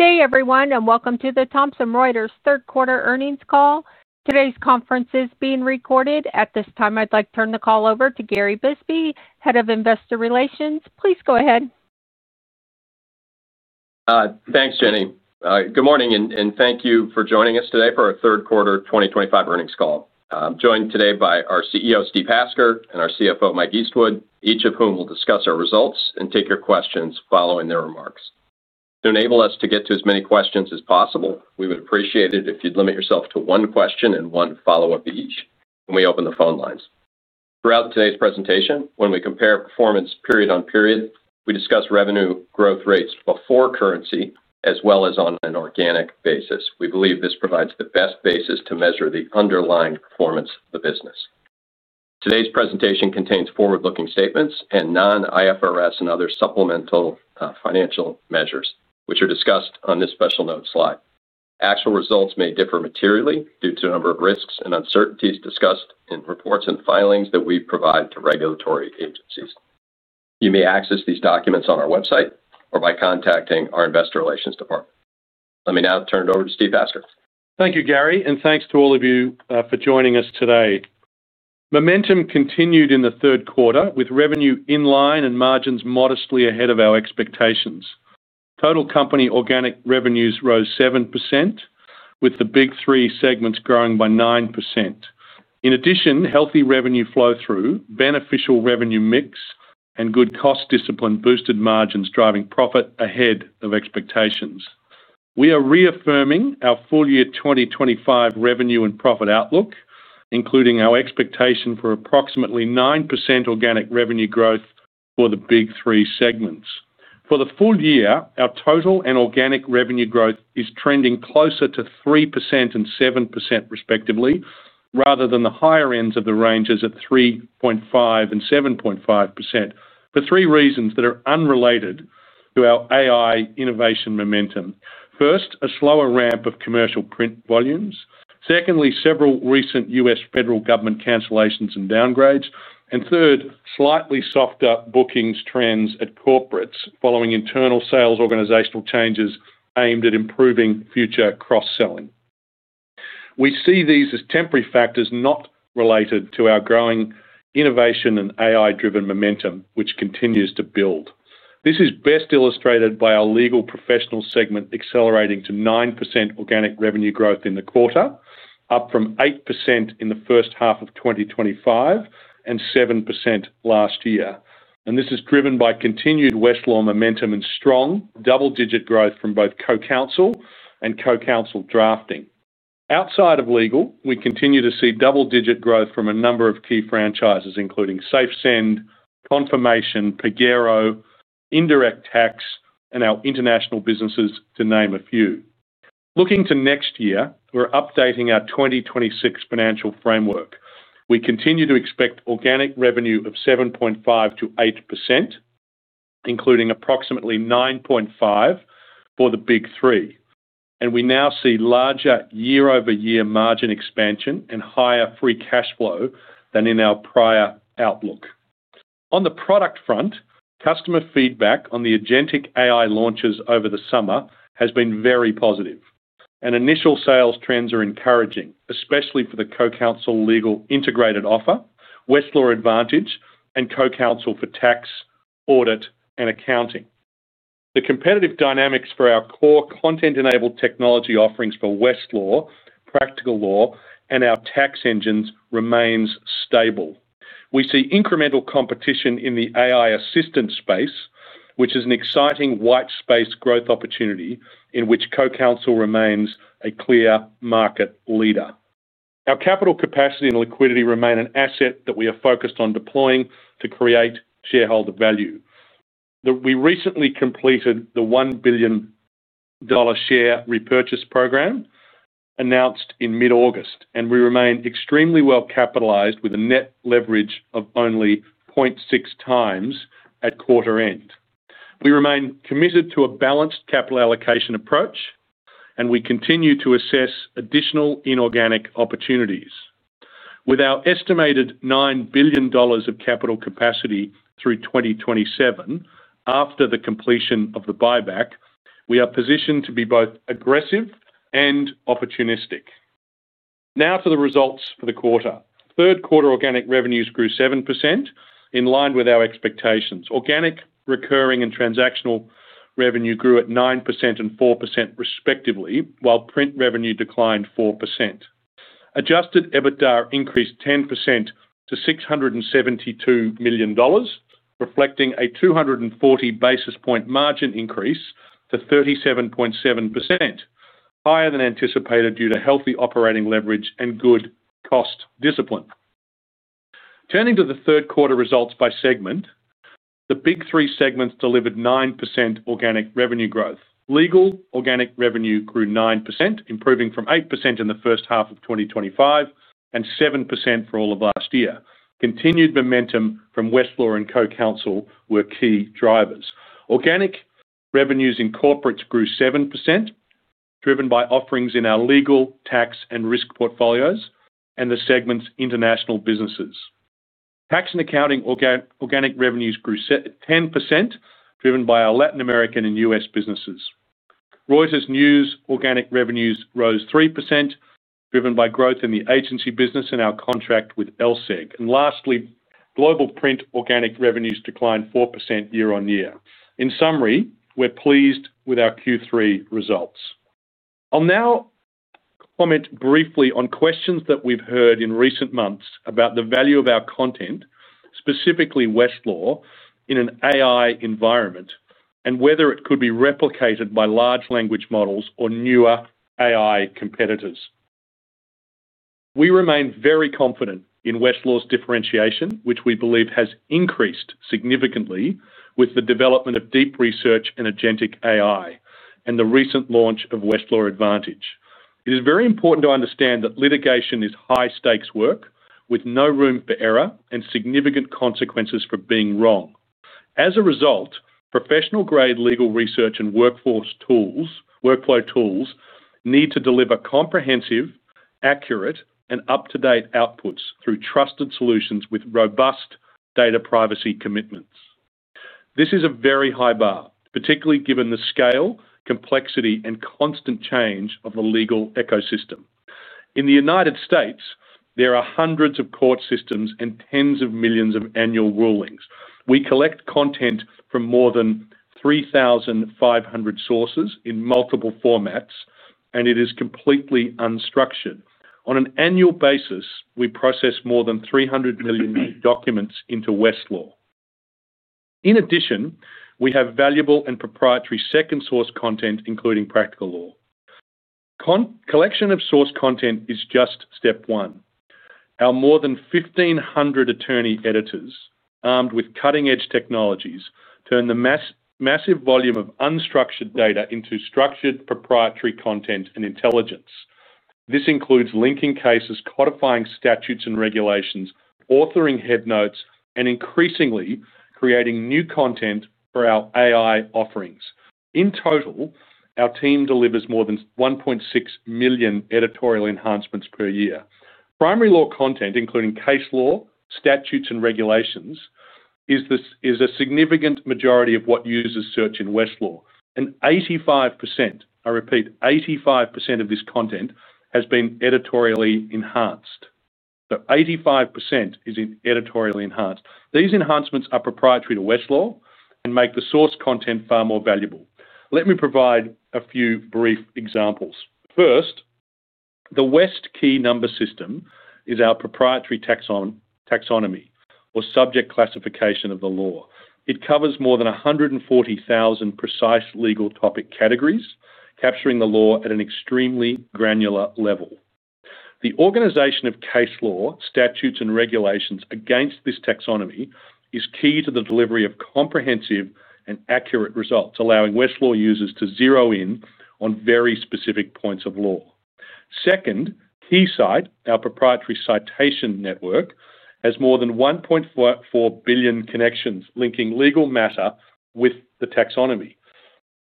Good day, everyone, and welcome to the Thomson Reuters third quarter earnings call. Today's conference is being recorded. At this time, I'd like to turn the call over to Gary Bisbee, Head of Investor Relations. Please go ahead. Thanks, Jenny. Good morning, and thank you for joining us today for our third-quarter 2025 earnings call. I'm joined today by our CEO, Steve Hasker, and our CFO, Mike Eastwood, each of whom will discuss our results and take your questions following their remarks. To enable us to get to as many questions as possible, we would appreciate it if you'd limit yourself to one question and one follow-up each when we open the phone lines. Throughout today's presentation, when we compare performance period-on-period, we discuss revenue growth rates before currency as well as on an organic basis. We believe this provides the best basis to measure the underlying performance of the business. Today's presentation contains forward-looking statements and non-IFRS and other supplemental financial measures, which are discussed on this special notes slide. Actual results may differ materially due to a number of risks and uncertainties discussed in reports and filings that we provide to regulatory agencies. You may access these documents on our website or by contacting our investor relations department. Let me now turn it over to Steve Hasker. Thank you, Gary, and thanks to all of you for joining us today. Momentum continued in the third quarter with revenue in line and margins modestly ahead of our expectations. Total company organic revenues rose 7%, with the big three segments growing by 9%. In addition, healthy revenue flow-through, beneficial revenue mix, and good cost discipline boosted margins, driving profit ahead of expectations. We are reaffirming our full year 2025 revenue and profit outlook, including our expectation for approximately 9% organic revenue growth for the big three segments. For the full year, our total and organic revenue growth is trending closer to 3% and 7%, respectively, rather than the higher ends of the ranges at 3.5% and 7.5% for three reasons that are unrelated to our AI innovation momentum. First, a slower ramp of commercial print volumes. Secondly, several recent U.S. federal government cancellations and downgrades. And third, slightly softer bookings trends at corporates following internal sales organizational changes aimed at improving future cross-selling. We see these as temporary factors not related to our growing innovation and AI-driven momentum, which continues to build. This is best illustrated by our legal professional segment accelerating to 9% organic revenue growth in the quarter, up from 8% in the first half of 2025 and 7% last year. And this is driven by continued Westlaw momentum and strong double-digit growth from both Co-Counsel and Co-Counsel Drafting. Outside of legal, we continue to see double-digit growth from a number of key franchises, including SafeSend, Confirmation, Pagero, Indirect Tax, and our international businesses, to name a few. Looking to next year, we're updating our 2026 financial framework. We continue to expect organic revenue of 7.5%-8%. Including approximately 9.5% for the big three. And we now see larger year-over-year margin expansion and higher free cash flow than in our prior outlook. On the product front, customer feedback on the agentic AI launches over the summer has been very positive. And initial sales trends are encouraging, especially for the Co-Counsel legal integrated offer, Westlaw Advantage, and Co-Counsel for tax, audit, and accounting. The competitive dynamics for our core content-enabled technology offerings for Westlaw, Practical Law, and our tax engines remain stable. We see incremental competition in the AI assistance space, which is an exciting white space growth opportunity in which Co-Counsel remains a clear market leader. Our capital capacity and liquidity remain an asset that we are focused on deploying to create shareholder value. We recently completed the $1 billion share repurchase program announced in mid-August, and we remain extremely well-capitalized with a net leverage of only 0.6 times at quarter end. We remain committed to a balanced capital allocation approach, and we continue to assess additional inorganic opportunities. With our estimated $9 billion of capital capacity through 2027 after the completion of the buyback, we are positioned to be both aggressive and opportunistic. Now to the results for the quarter. Third-quarter organic revenues grew 7%, in line with our expectations. Organic, recurring, and transactional revenue grew at 9% and 4%, respectively, while print revenue declined 4%. Adjusted EBITDA increased 10% to $672 million, reflecting a 240 basis point margin increase to 37.7%, higher than anticipated due to healthy operating leverage and good cost discipline. Turning to the third-quarter results by segment, the big three segments delivered 9% organic revenue growth. Legal organic revenue grew 9%, improving from 8% in the first half of 2025 and 7% for all of last year. Continued momentum from Westlaw and Co-Counsel were key drivers. Organic revenues in corporates grew 7%, driven by offerings in our legal, tax, and risk portfolios, and the segment's international businesses. Tax and accounting organic revenues grew 10%, driven by our Latin American and U.S. businesses. Reuters News organic revenues rose 3%, driven by growth in the agency business and our contract with LSEG. And lastly, global print organic revenues declined 4% year on year. In summary, we're pleased with our Q3 results. I'll now comment briefly on questions that we've heard in recent months about the value of our content, specifically Westlaw, in an AI environment, and whether it could be replicated by large language models or newer AI competitors. We remain very confident in Westlaw's differentiation, which we believe has increased significantly with the development of deep research and agentic AI, and the recent launch of Westlaw Advantage. It is very important to understand that litigation is high-stakes work with no room for error and significant consequences for being wrong. As a result, professional-grade legal research and workflow tools need to deliver comprehensive, accurate, and up-to-date outputs through trusted solutions with robust data privacy commitments. This is a very high bar, particularly given the scale, complexity, and constant change of the legal ecosystem. In the United States, there are hundreds of court systems and tens of millions of annual rulings. We collect content from more than 3,500 sources in multiple formats, and it is completely unstructured. On an annual basis, we process more than 300 million documents into Westlaw. In addition, we have valuable and proprietary second-source content, including Practical Law. Collection of source content is just step one. Our more than 1,500 attorney editors, armed with cutting-edge technologies, turn the massive volume of unstructured data into structured proprietary content and intelligence. This includes linking cases, codifying statutes and regulations, authoring headnotes, and increasingly creating new content for our AI offerings. In total, our team delivers more than 1.6 million editorial enhancements per year. Primary law content, including case law, statutes, and regulations, is a significant majority of what users search in Westlaw, and 85%, I repeat, 85% of this content has been editorially enhanced, so 85% is editorially enhanced. These enhancements are proprietary to Westlaw and make the source content far more valuable. Let me provide a few brief examples. First, the West Key Number System is our proprietary taxonomy or subject classification of the law. It covers more than 140,000 precise legal topic categories, capturing the law at an extremely granular level. The organization of case law, statutes, and regulations against this taxonomy is key to the delivery of comprehensive and accurate results, allowing Westlaw users to zero in on very specific points of law. Second, Keysight, our proprietary citation network, has more than 1.4 billion connections linking legal matter with the taxonomy.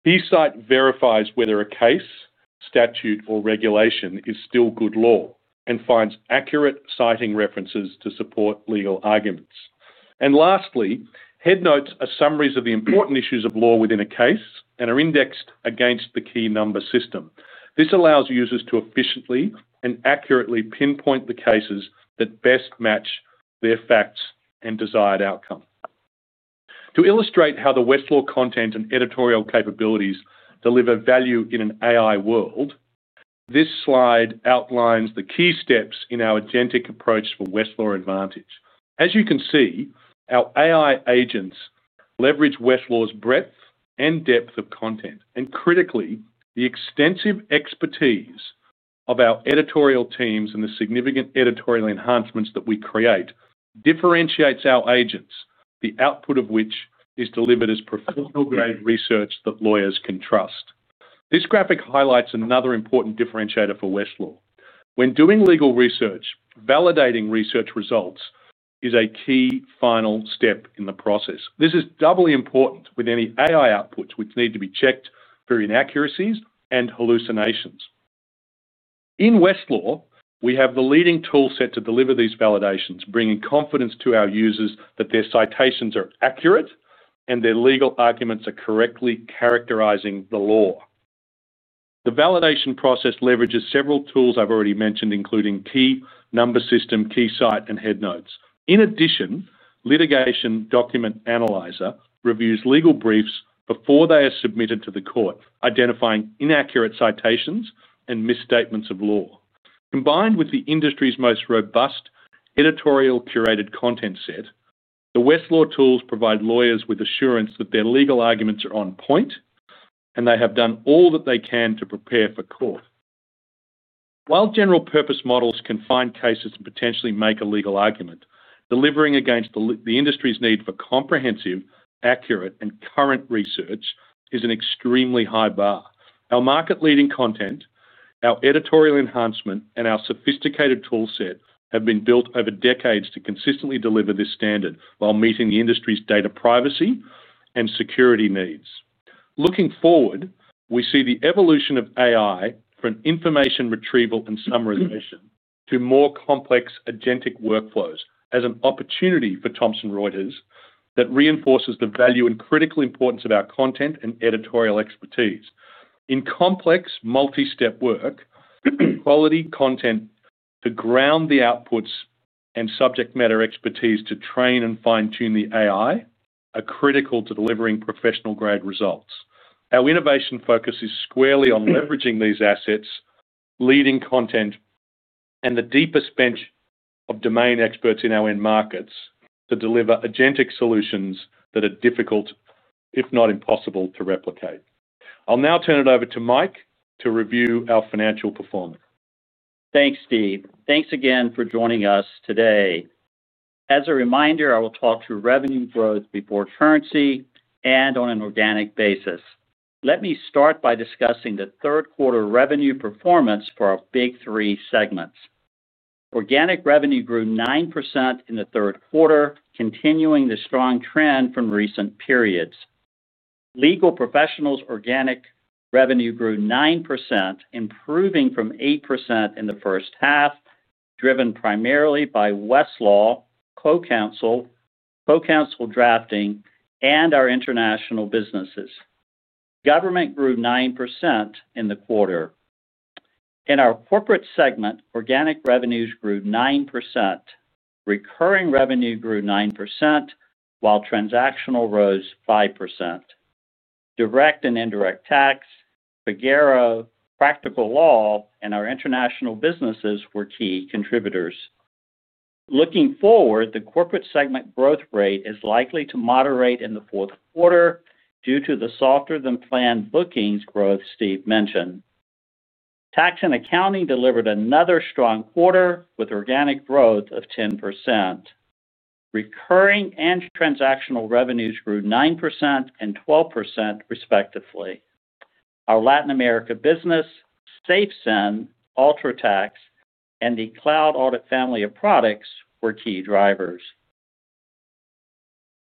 Keysight verifies whether a case, statute, or regulation is still good law and finds accurate citing references to support legal arguments. And lastly, headnotes are summaries of the important issues of law within a case and are indexed against the Key Number System. This allows users to efficiently and accurately pinpoint the cases that best match their facts and desired outcome. To illustrate how the Westlaw content and editorial capabilities deliver value in an AI world. This slide outlines the key steps in our agentic approach for Westlaw Advantage. As you can see, our AI agents leverage Westlaw's breadth and depth of content. And critically, the extensive expertise of our editorial teams and the significant editorial enhancements that we create differentiates our agents, the output of which is delivered as professional-grade research that lawyers can trust. This graphic highlights another important differentiator for Westlaw. When doing legal research, validating research results is a key final step in the process. This is doubly important with any AI outputs which need to be checked for inaccuracies and hallucinations. In Westlaw, we have the leading toolset to deliver these validations, bringing confidence to our users that their citations are accurate and their legal arguments are correctly characterizing the law. The validation process leverages several tools I've already mentioned, including Key Number System, Keysight, and Headnotes. In addition, Litigation Document Analyzer reviews legal briefs before they are submitted to the court, identifying inaccurate citations and misstatements of law. Combined with the industry's most robust editorial-curated content set, the Westlaw tools provide lawyers with assurance that their legal arguments are on point and they have done all that they can to prepare for court. While general-purpose models can find cases and potentially make a legal argument, delivering against the industry's need for comprehensive, accurate, and current research is an extremely high bar. Our market-leading content, our editorial enhancement, and our sophisticated toolset have been built over decades to consistently deliver this standard while meeting the industry's data privacy and security needs. Looking forward, we see the evolution of AI from information retrieval and summarization to more complex agentic workflows as an opportunity for Thomson Reuters that reinforces the value and critical importance of our content and editorial expertise. In complex, multi-step work. Quality content to ground the outputs and subject matter expertise to train and fine-tune the AI are critical to delivering professional-grade results. Our innovation focus is squarely on leveraging these assets, leading content, and the deepest bench of domain experts in our end markets to deliver agentic solutions that are difficult, if not impossible, to replicate. I'll now turn it over to Mike to review our financial performance. Thanks, Steve. Thanks again for joining us today. As a reminder, I will talk through revenue growth before currency and on an organic basis. Let me start by discussing the third quarter revenue performance for our big three segments. Organic revenue grew 9% in the third quarter, continuing the strong trend from recent periods. Legal professionals' organic revenue grew 9%, improving from 8% in the first half, driven primarily by Westlaw, Co-Counsel, Co-Counsel Drafting, and our international businesses. Government grew 9% in the quarter. In our corporate segment, organic revenues grew 9%. Recurring revenue grew 9%, while transactional rose 5%. Direct and Indirect Tax, Pagero, Practical Law, and our international businesses were key contributors. Looking forward, the corporate segment growth rate is likely to moderate in the fourth quarter due to the softer-than-planned bookings growth Steve mentioned. Tax and accounting delivered another strong quarter with organic growth of 10%. Recurring and transactional revenues grew 9% and 12%, respectively. Our Latin America business, SafeSend, UltraTax, and the Cloud Audit family of products were key drivers.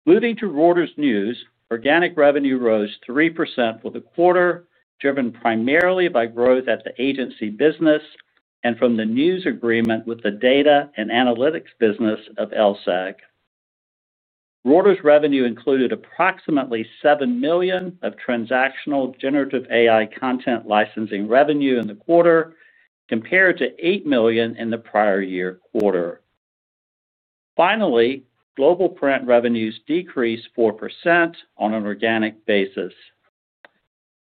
Moving to Reuters News, organic revenue rose 3% for the quarter, driven primarily by growth at the agency business and from the news agreement with the data and analytics business of LSEG. Reuters revenue included approximately $7 million of transactional generative AI content licensing revenue in the quarter, compared to $8 million in the prior year quarter. Finally, global print revenues decreased 4% on an organic basis.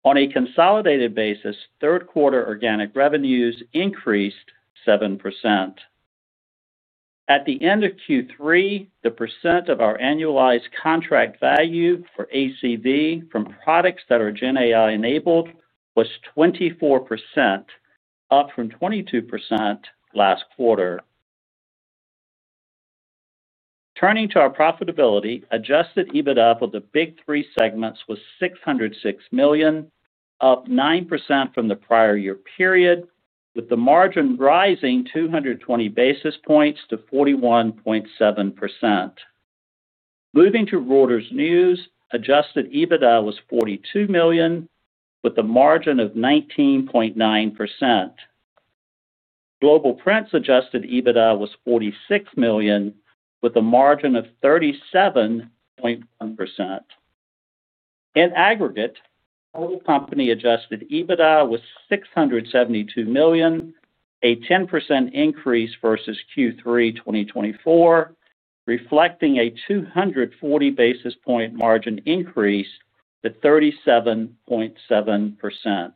On a consolidated basis, third quarter organic revenues increased 7%. At the end of Q3, the percent of our annualized contract value for ACV from products that are GenAI-enabled was 24%, up from 22% last quarter. Turning to our profitability, Adjusted EBITDA for the big three segments was $606 million, up 9% from the prior year period, with the margin rising 220 basis points to 41.7%. Moving to Reuters News, Adjusted EBITDA was $42 million, with a margin of 19.9%. Global Print's Adjusted EBITDA was $46 million, with a margin of 37.1%. In aggregate, total company Adjusted EBITDA was $672 million, a 10% increase versus Q3 2024, reflecting a 240 basis point margin increase to 37.7%.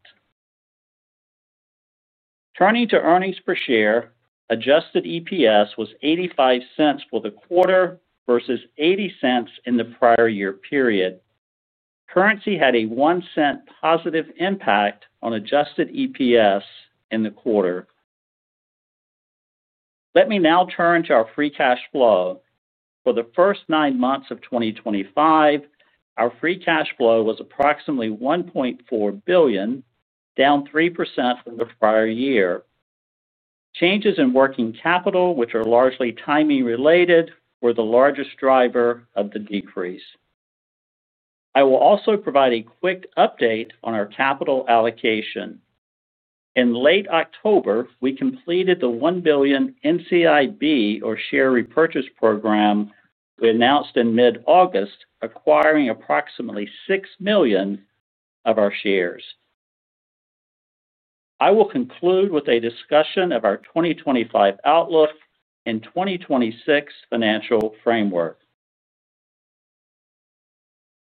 Turning to earnings per share, adjusted EPS was $0.85 for the quarter versus $0.80 in the prior year period. Currency had a $0.01 positive impact on adjusted EPS in the quarter. Let me now turn to our free cash flow. For the first nine months of 2025, our free cash flow was approximately $1.4 billion, down 3% from the prior year. Changes in working capital, which are largely timing-related, were the largest driver of the decrease. I will also provide a quick update on our capital allocation. In late October, we completed the $1 billion NCIB, or share repurchase program. We announced in mid-August, acquiring approximately 6 million of our shares. I will conclude with a discussion of our 2025 outlook and 2026 financial framework.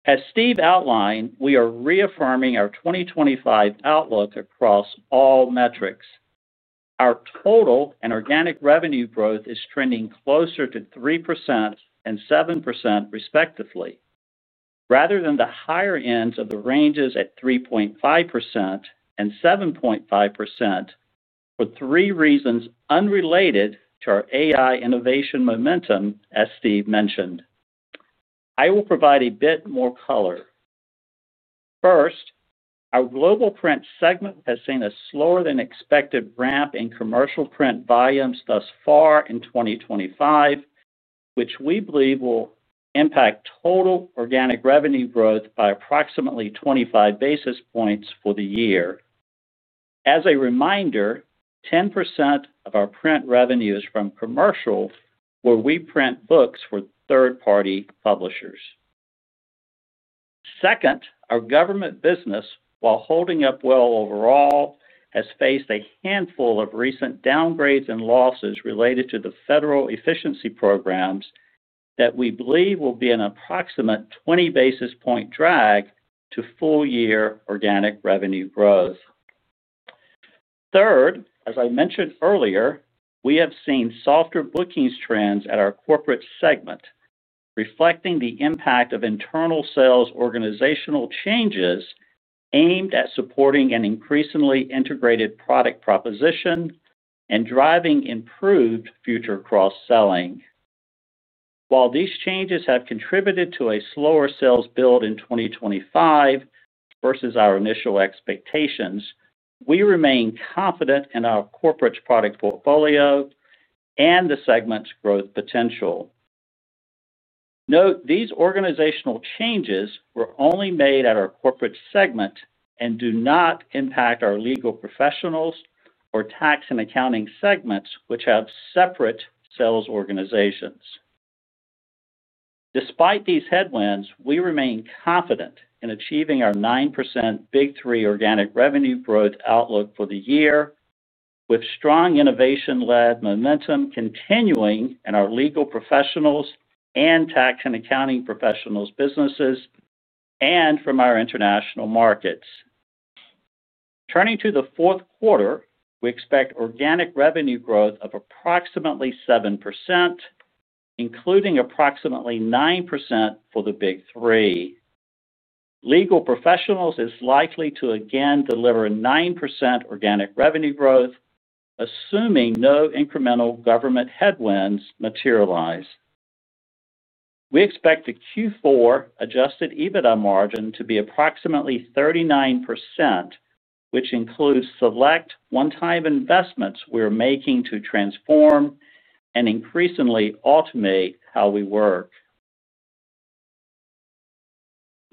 As Steve outlined, we are reaffirming our 2025 outlook across all metrics. Our total and organic revenue growth is trending closer to 3% and 7%, respectively. Rather than the higher ends of the ranges at 3.5% and 7.5%. For three reasons unrelated to our AI innovation momentum, as Steve mentioned. I will provide a bit more color. First, our global print segment has seen a slower-than-expected ramp in commercial print volumes thus far in 2025. Which we believe will impact total organic revenue growth by approximately 25 basis points for the year. As a reminder, 10% of our print revenue is from commercial, where we print books for third-party publishers. Second, our government business, while holding up well overall, has faced a handful of recent downgrades and losses related to the federal efficiency programs that we believe will be an approximate 20 basis point drag to full-year organic revenue growth. Third, as I mentioned earlier, we have seen softer bookings trends at our corporate segment, reflecting the impact of internal sales organizational changes aimed at supporting an increasingly integrated product proposition. And driving improved future cross-selling. While these changes have contributed to a slower sales build in 2025. Versus our initial expectations, we remain confident in our corporate product portfolio and the segment's growth potential. Note, these organizational changes were only made at our corporate segment and do not impact our legal professionals or tax and accounting segments, which have separate sales organizations. Despite these headwinds, we remain confident in achieving our 9% big three organic revenue growth outlook for the year, with strong innovation-led momentum continuing in our legal professionals and tax and accounting professionals' businesses and from our international markets. Turning to the fourth quarter, we expect organic revenue growth of approximately 7%. Including approximately 9% for the big three. Legal professionals are likely to again deliver 9% organic revenue growth. Assuming no incremental government headwinds materialize. We expect the Q4 Adjusted EBITDA margin to be approximately 39%. Which includes select one-time investments we are making to transform. And increasingly automate how we work.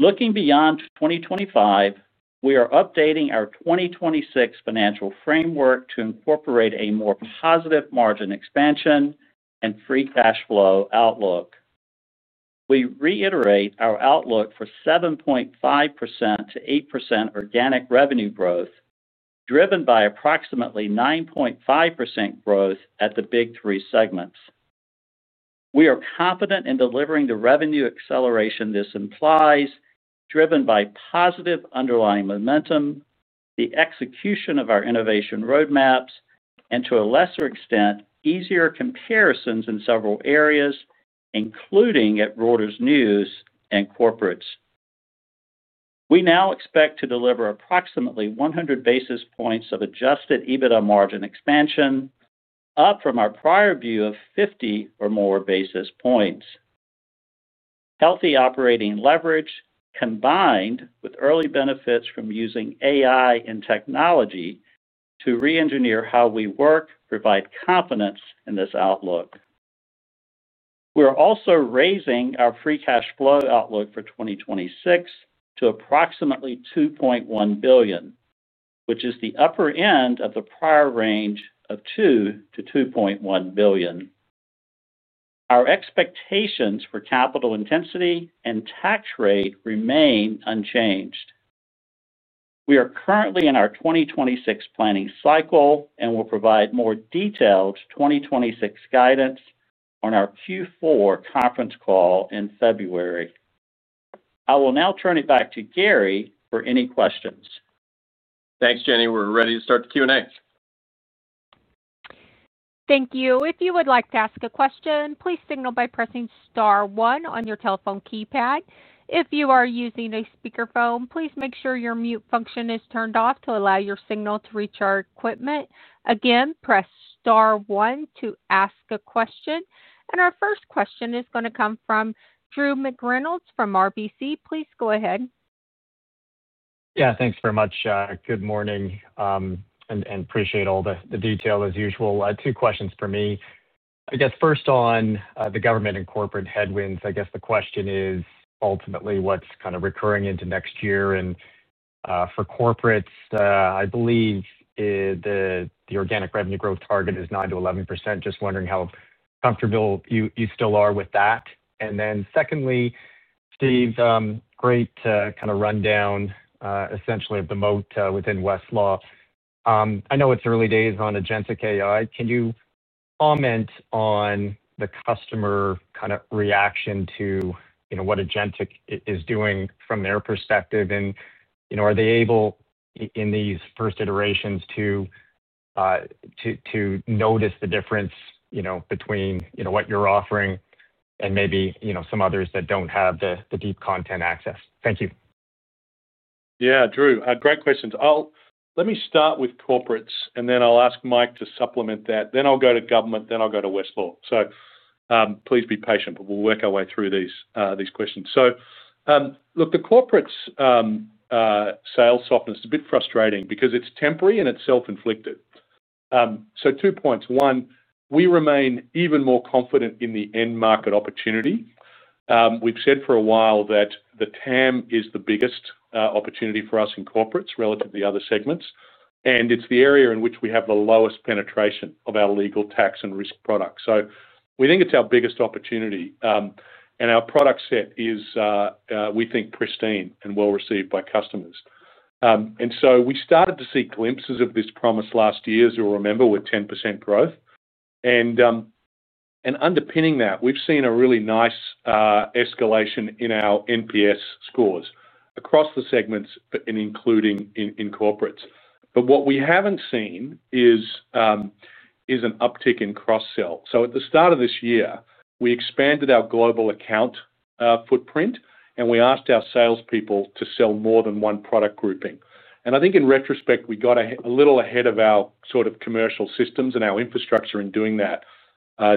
Looking beyond 2025, we are updating our 2026 financial framework to incorporate a more positive margin expansion and free cash flow outlook. We reiterate our outlook for 7.5%-8% organic revenue growth, driven by approximately 9.5% growth at the big three segments. We are confident in delivering the revenue acceleration this implies, driven by positive underlying momentum, the execution of our innovation roadmaps, and to a lesser extent, easier comparisons in several areas, including at Reuters News and corporates. We now expect to deliver approximately 100 basis points of Adjusted EBITDA margin expansion, up from our prior view of 50 or more basis points. Healthy operating leverage, combined with early benefits from using AI and technology to re-engineer how we work, provides confidence in this outlook. We're also raising our free cash flow outlook for 2026 to approximately $2.1 billion, which is the upper end of the prior range of $2 billion-$2.1 billion. Our expectations for capital intensity and tax rate remain unchanged. We are currently in our 2026 planning cycle and will provide more detailed 2026 guidance on our Q4 conference call in February. I will now turn it back to Gary for any questions. Thanks, Jenny. We're ready to start the Q&A. Thank you. If you would like to ask a question, please signal by pressing Star one on your telephone keypad. If you are using a speakerphone, please make sure your mute function is turned off to allow your signal to reach our equipment. Again, press Star one to ask a question. And our first question is going to come from Drew McReynolds from RBC. Please go ahead. Yeah, thanks very much. Good morning. And appreciate all the detail as usual. Two questions for me. I guess first on the government and corporate headwinds, I guess the question is ultimately what's kind of recurring into next year? And for corporates, I believe. The organic revenue growth target is 9%-11%. Just wondering how comfortable you still are with that. And then secondly. Steve, great kind of rundown. Essentially of the moat within Westlaw. I know it's early days on Agentic AI. Can you comment on the customer kind of reaction to what Agentic is doing from their perspective? And are they able in these first iterations to. Notice the difference between what you're offering and maybe some others that don't have the deep content access? Thank you. Yeah, Drew, great questions. Let me start with corporates, and then I'll ask Mike to supplement that. Then I'll go to government, then I'll go to Westlaw. So please be patient, but we'll work our way through these questions. So look, the corporates. Sales softness is a bit frustrating because it's temporary and it's self-inflicted. So two points. One, we remain even more confident in the end market opportunity. We've said for a while that the TAM is the biggest opportunity for us in corporates relative to the other segments, and it's the area in which we have the lowest penetration of our legal tax and risk products. So we think it's our biggest opportunity. And our product set is. We think, pristine and well-received by customers. And so we started to see glimpses of this promise last year, as you'll remember, with 10% growth. Underpinning that, we've seen a really nice. Escalation in our NPS scores across the segments, including in corporates. But what we haven't seen is. An uptick in cross-sell. So at the start of this year, we expanded our global account footprint, and we asked our salespeople to sell more than one product grouping. I think in retrospect, we got a little ahead of our sort of commercial systems and our infrastructure in doing that.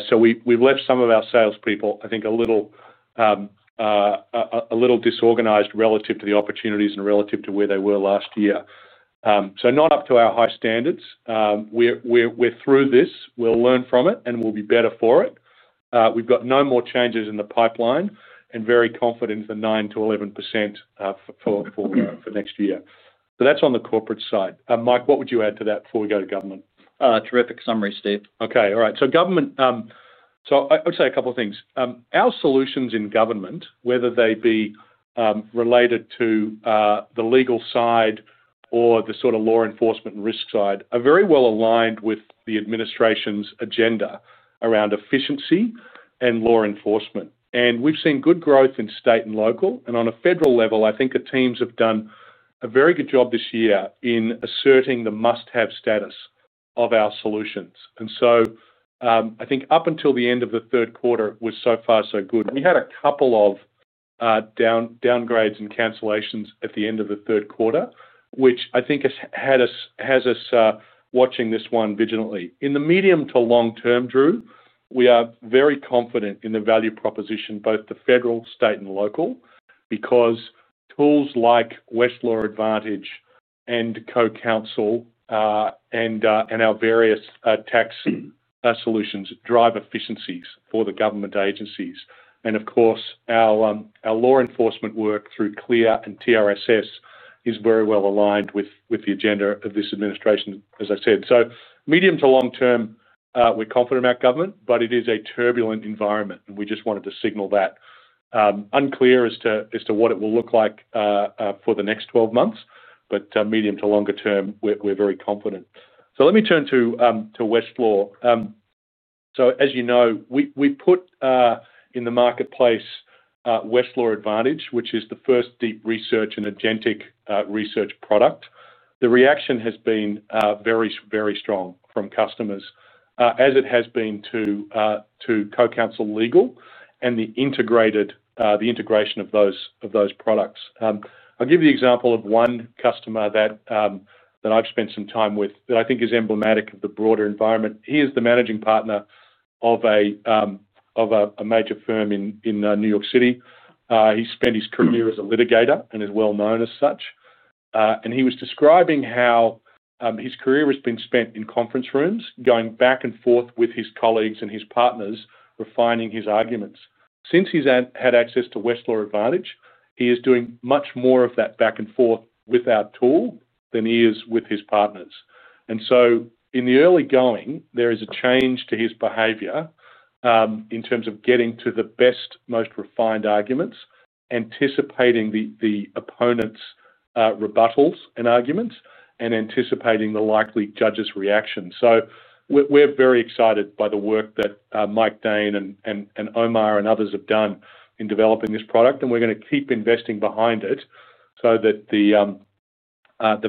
So we've left some of our salespeople, I think, a little disorganized relative to the opportunities and relative to where they were last year. So not up to our high standards. We're through this. We'll learn from it, and we'll be better for it. We've got no more changes in the pipeline and very confident in the 9%-11% for next year. So that's on the corporate side. Mike, what would you add to that before we go to government? Terrific summary, Steve. Okay. All right. So government. So I would say a couple of things. Our solutions in government, whether they be related to the legal side or the sort of law enforcement and risk side, are very well aligned with the administration's agenda around efficiency and law enforcement. And we've seen good growth in state and local. And on a federal level, I think the teams have done a very good job this year in asserting the must-have status of our solutions. And so I think up until the end of the third quarter, it was so far so good. We had a couple of downgrades and cancellations at the end of the third quarter, which I think has us watching this one vigilantly. In the medium to long term, Drew, we are very confident in the value proposition, both the federal, state, and local, because tools like Westlaw Advantage and Co-Counsel and our various tax solutions drive efficiencies for the government agencies. And of course, our law enforcement work through CLEAR and TRSS is very well aligned with the agenda of this administration, as I said. So medium to long term, we're confident about government, but it is a turbulent environment, and we just wanted to signal that. Unclear as to what it will look like for the next 12 months, but medium to longer term, we're very confident. So let me turn to Westlaw. So as you know, we put in the marketplace Westlaw Advantage, which is the first deep research and agentic research product. The reaction has been very, very strong from customers, as it has been to Co-Counsel Legal and the integration of those products. I'll give you the example of one customer that I've spent some time with that I think is emblematic of the broader environment. He is the managing partner of a major firm in New York City. He spent his career as a litigator and is well known as such. And he was describing how his career has been spent in conference rooms, going back and forth with his colleagues and his partners, refining his arguments. Since he's had access to Westlaw Advantage, he is doing much more of that back and forth with our tool than he is with his partners. And so in the early going, there is a change to his behavior. In terms of getting to the best, most refined arguments, anticipating the opponent's rebuttals and arguments, and anticipating the likely judge's reaction. So we're very excited by the work that Mike Dane and Omar and others have done in developing this product, and we're going to keep investing behind it so that the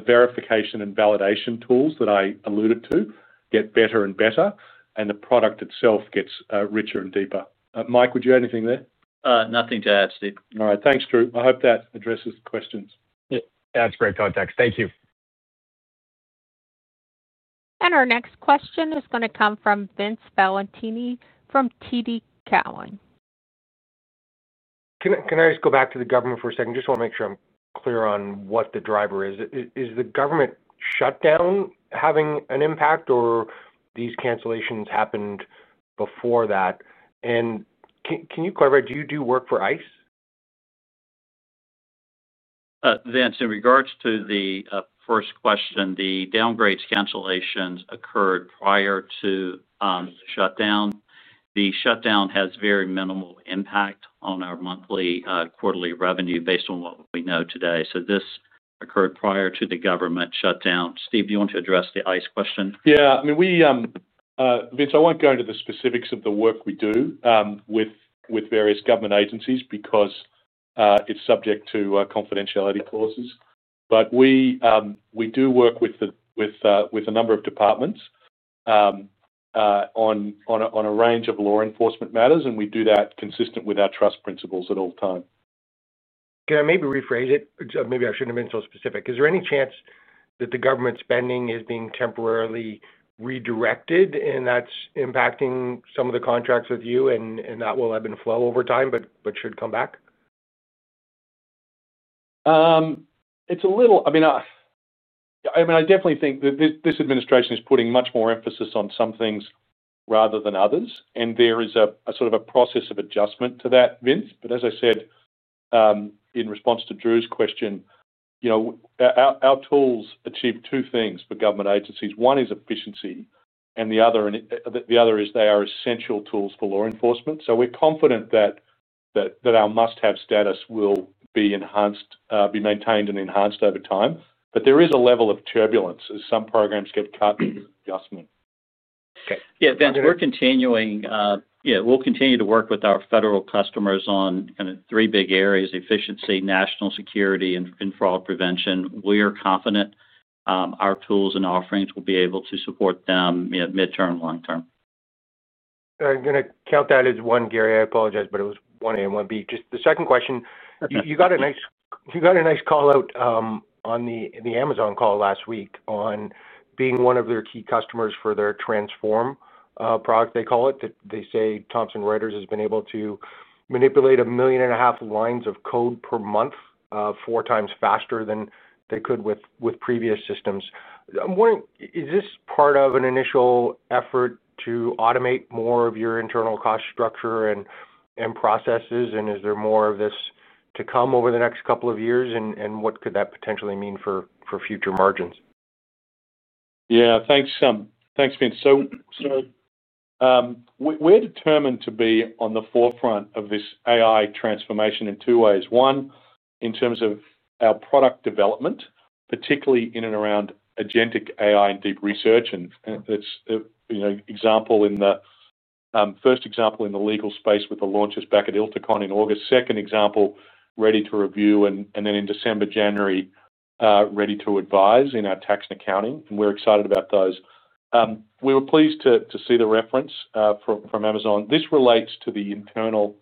verification and validation tools that I alluded to get better and better, and the product itself gets richer and deeper. Mike, would you add anything there? Nothing to add, Steve. All right. Thanks, Drew. I hope that addresses the questions. That's great context. Thank you. And our next question is going to come from Vince Valentini from TD Cowen. Can I just go back to the government for a second? Just want to make sure I'm clear on what the driver is. Is the government shutdown having an impact, or these cancellations happened before that? And can you clarify, do you do work for ICE? Vince, in regards to the first question, the downgrades cancellations occurred prior to the shutdown. The shutdown has very minimal impact on our monthly quarterly revenue based on what we know today. So this occurred prior to the government shutdown. Steve, do you want to address the ICE question? Yeah. I mean. Vince, I won't go into the specifics of the work we do with various government agencies because it's subject to confidentiality clauses. But we do work with a number of departments on a range of law enforcement matters, and we do that consistent with our trust principles at all times. Can I maybe rephrase it? Maybe I shouldn't have been so specific. Is there any chance that the government spending is being temporarily redirected and that's impacting some of the contracts with you and that will ebb and flow over time but should come back? I mean. I definitely think that this administration is putting much more emphasis on some things rather than others, and there is a sort of a process of adjustment to that, Vince. But as I said in response to Drew's question, our tools achieve two things for government agencies. One is efficiency, and the other is they are essential tools for law enforcement. So we're confident that our must-have status will be maintained and enhanced over time. But there is a level of turbulence as some programs get cut in adjustment. Okay. Yeah, Vince, we're continuing to work with our federal customers on kind of three big areas: efficiency, national security, and fraud prevention. We are confident our tools and offerings will be able to support them midterm and long term. I'm going to count that as one, Gary. I apologize, but it was one A and one B. Just the second question. You got a nice call out on the Amazon call last week on being one of their key customers for their Transform product, they call it. They say Thomson Reuters has been able to manipulate a million and a half lines of code per month four times faster than they could with previous systems. I'm wondering, is this part of an initial effort to automate more of your internal cost structure and processes, and is there more of this to come over the next couple of years, and what could that potentially mean for future margins? Yeah. Thanks, Vince. So. We're determined to be on the forefront of this AI transformation in two ways. One, in terms of our product development, particularly in and around Agentic AI and deep research. And. The first example in the legal space with the launches back at ILTAcon in August. Second example, Ready to Review, and then in December, January, Ready to Advise in our tax and accounting. And we're excited about those. We were pleased to see the reference from Amazon. This relates to the internal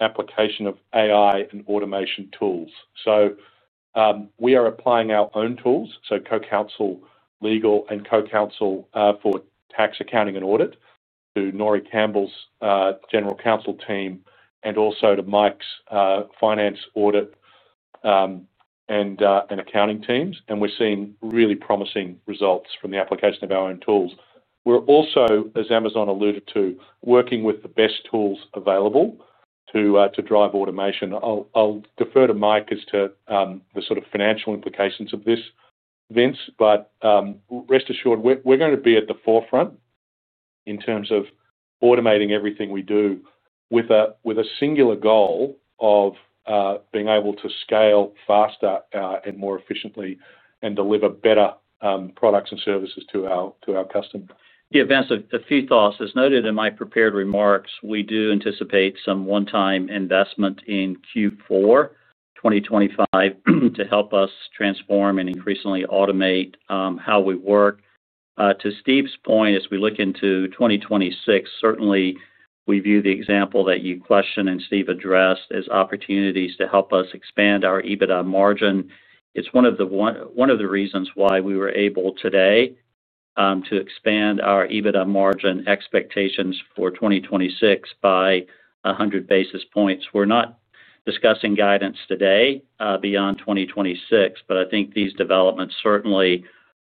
application of AI and automation tools. So. We are applying our own tools, so Co-Counsel Legal and Co-Counsel for tax accounting and audit to Nori Campbell's general counsel team and also to Mike's finance, audit. And accounting teams. And we're seeing really promising results from the application of our own tools. We're also, as Amazon alluded to, working with the best tools available to drive automation. I'll defer to Mike as to the sort of financial implications of this, Vince, but. Rest assured, we're going to be at the forefront. In terms of automating everything we do with. A singular goal of. Being able to scale faster and more efficiently and deliver better products and services to our customers. Yeah, Vince, a few thoughts. As noted in my prepared remarks, we do anticipate some one-time investment in Q4 2025 to help us transform and increasingly automate how we work. To Steve's point, as we look into 2026, certainly we view the example that you questioned and Steve addressed as opportunities to help us expand our EBITDA margin. It's one of the reasons why we were able today. To expand our EBITDA margin expectations for 2026 by 100 basis points. We're not discussing guidance today beyond 2026, but I think these developments certainly.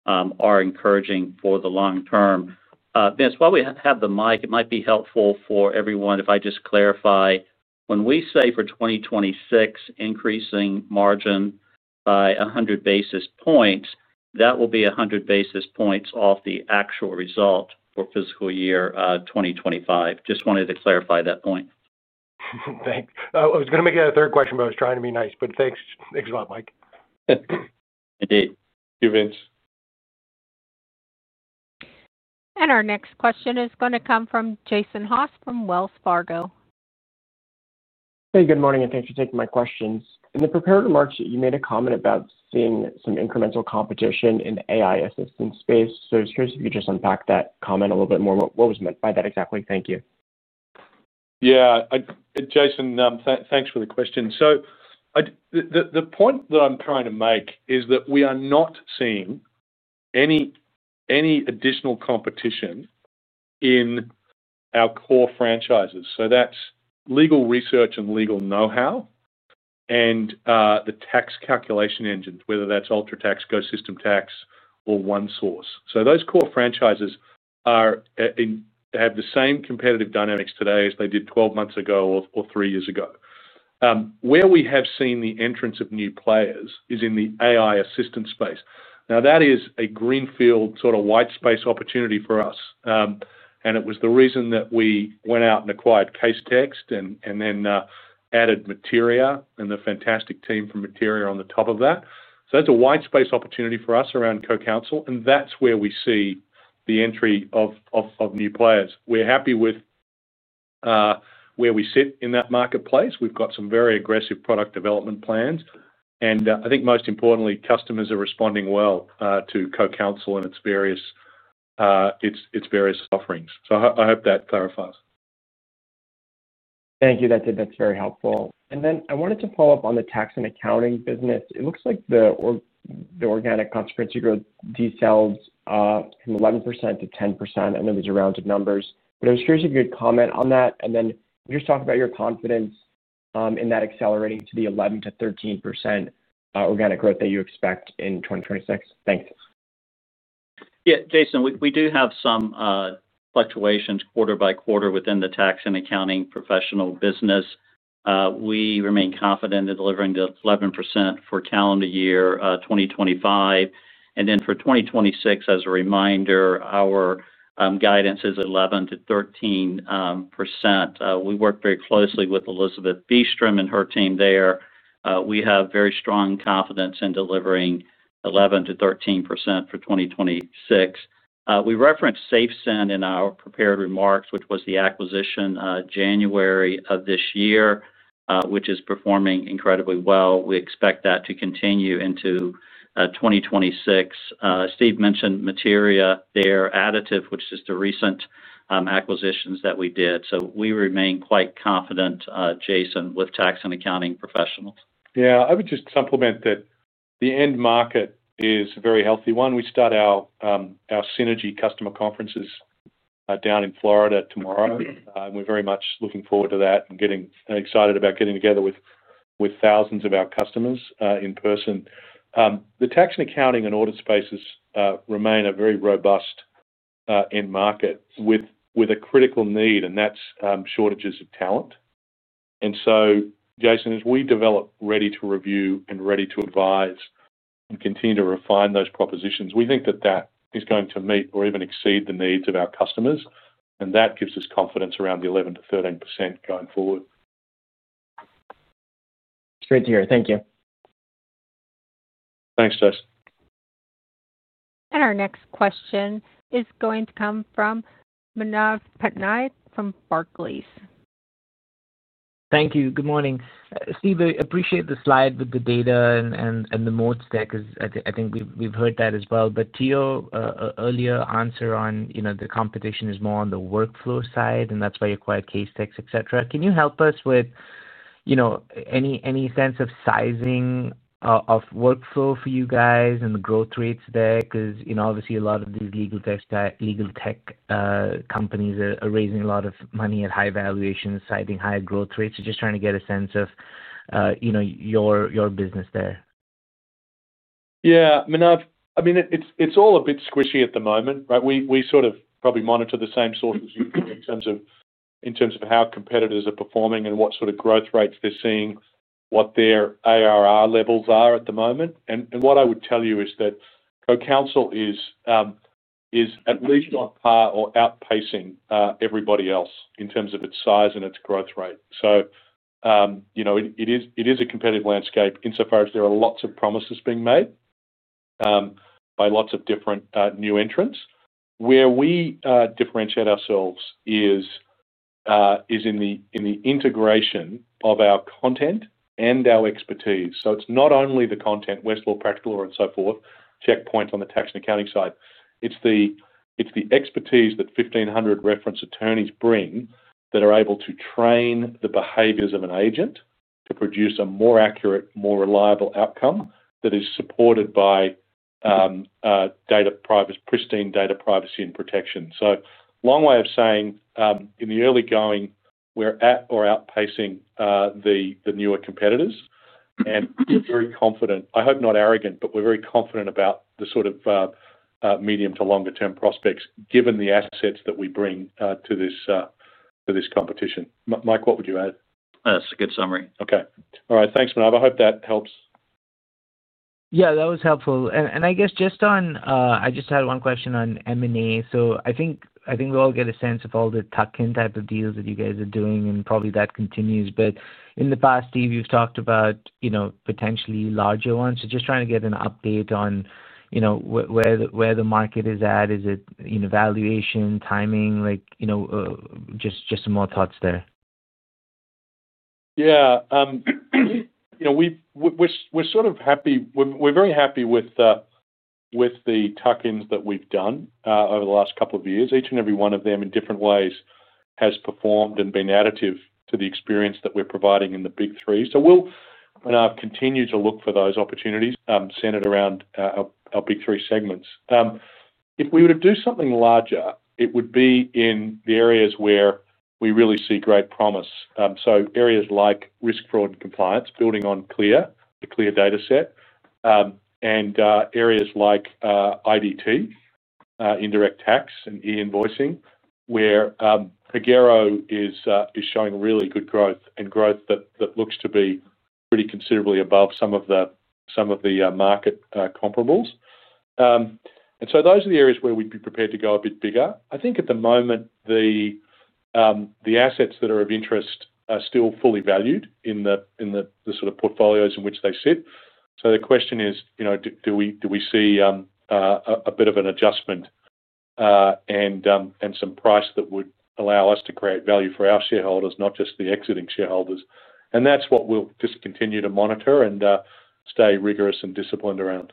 Are encouraging for the long term. Vince, while we have the mic, it might be helpful for everyone if I just clarify. When we say for 2026, increasing margin by 100 basis points, that will be 100 basis points off the actual result for fiscal year 2025. Just wanted to clarify that point. Thanks. I was going to make that a third question, but I was trying to be nice. But thanks a lot, Mike. Indeed. Thank you, Vince. And our next question is going to come from Jason Haas from Wells Fargo. Hey, good morning, and thanks for taking my questions. In the prepared remarks, you made a comment about seeing some incremental competition in the AI assistance space. So I was curious if you could just unpack that comment a little bit more. What was meant by that exactly? Thank you. Yeah, Jason, thanks for the question. So the point that I'm trying to make is that we are not seeing any additional competition in our core franchises. So that's legal research and legal know-how. And the tax calculation engines, whether that's UltraTax, GoSystem Tax, or ONESOURCE. So those core franchises have the same competitive dynamics today as they did 12 months ago or three years ago. Where we have seen the entrance of new players is in the AI assistance space. Now, that is a greenfield sort of white space opportunity for us. And it was the reason that we went out and acquired CaseText and then added Materia and the fantastic team from Materia on the top of that. So that's a white space opportunity for us around Co-Counsel, and that's where we see the entry of new players. We're happy with where we sit in that marketplace. We've got some very aggressive product development plans. And I think most importantly, customers are responding well to Co-Counsel and its various offerings. So I hope that clarifies. Thank you. That's very helpful. And then I wanted to follow up on the tax and accounting business. It looks like the organic revenue growth decelerates from 11% to 10%. I know there's a round of numbers, but I was curious if you could comment on that. And then just talk about your confidence in that accelerating to the 11%-13% organic growth that you expect in 2026. Thanks. Yeah, Jason, we do have some fluctuations quarter by quarter within the tax and accounting professional business. We remain confident in delivering the 11% for calendar year 2025. And then for 2026, as a reminder, our guidance is 11%-13%. We work very closely with Elizabeth Beastrom and her team there. We have very strong confidence in delivering 11%-13% for 2026. We referenced SafeSend in our prepared remarks, which was the acquisition January of this year, which is performing incredibly well. We expect that to continue into 2026. Steve mentioned Materia there, additionally, which is the recent acquisitions that we did. So we remain quite confident, Jason, with tax and accounting professionals. Yeah, I would just supplement that the end market is a very healthy one. We start our Synergy customer conferences down in Florida tomorrow. We're very much looking forward to that and excited about getting together with thousands of our customers in person. The tax and accounting and audit spaces remain a very robust end market with a critical need, and that's shortages of talent. And so, Jason, as we develop Ready to Review and Ready to Advise and continue to refine those propositions, we think that that is going to meet or even exceed the needs of our customers. And that gives us confidence around the 11%-13% going forward. It's great to hear. Thank you. Thanks, Jason. And our next question is going to come from Manav Patnaik from Barclays. Thank you. Good morning. Steve, I appreciate the slide with the data and the moat stack because I think we've heard that as well. But to your earlier answer on the competition is more on the workflow side, and that's why you acquired CaseText, etc., can you help us with any sense of sizing of workflow for you guys and the growth rates there? Because obviously, a lot of these legal tech companies are raising a lot of money at high valuations, citing high growth rates. Just trying to get a sense of your business there. Yeah. I mean, it's all a bit squishy at the moment, right? We sort of probably monitor the same sources in terms of how competitors are performing and what sort of growth rates they're seeing, what their ARR levels are at the moment. And what I would tell you is that Co-Counsel is at least on par or outpacing everybody else in terms of its size and its growth rate. So it is a competitive landscape insofar as there are lots of promises being made by lots of different new entrants. Where we differentiate ourselves is in the integration of our content and our expertise. So it's not only the content, Westlaw, Practical Law, and so forth, Checkpoint on the tax and accounting side. It's the expertise that 1,500 reference attorneys bring that are able to train the behaviors of an agent to produce a more accurate, more reliable outcome that is supported by pristine data privacy and protection. So long way of saying, in the early going, we're at or outpacing the newer competitors. And we're very confident. I hope not arrogant, but we're very confident about the sort of medium to longer-term prospects given the assets that we bring to this competition. Mike, what would you add? That's a good summary. Okay. All right. Thanks, Manav. I hope that helps. Yeah, that was helpful. And I guess just on I just had one question on M&A. So I think we all get a sense of all the tuck-in type of deals that you guys are doing, and probably that continues. But in the past, Steve, you've talked about potentially larger ones. So just trying to get an update on where the market is at. Is it valuation, timing? Just some more thoughts there. Yeah. We're sort of happy. We're very happy with the tuck-ins that we've done over the last couple of years. Each and every one of them, in different ways, has performed and been additive to the experience that we're providing in the Big Three. So we'll continue to look for those opportunities centered around our Big Three segments. If we were to do something larger, it would be in the areas where we really see great promise. So areas like risk, fraud, and compliance, building on CLEAR, the CLEAR data set. And areas like IDT. Indirect tax, and e-invoicing, where Pagero is showing really good growth and growth that looks to be pretty considerably above some of the market comparables. And so those are the areas where we'd be prepared to go a bit bigger. I think at the moment, the assets that are of interest are still fully valued in the sort of portfolios in which they sit. So the question is, do we see a bit of an adjustment and some price that would allow us to create value for our shareholders, not just the exiting shareholders? And that's what we'll just continue to monitor and stay rigorous and disciplined around.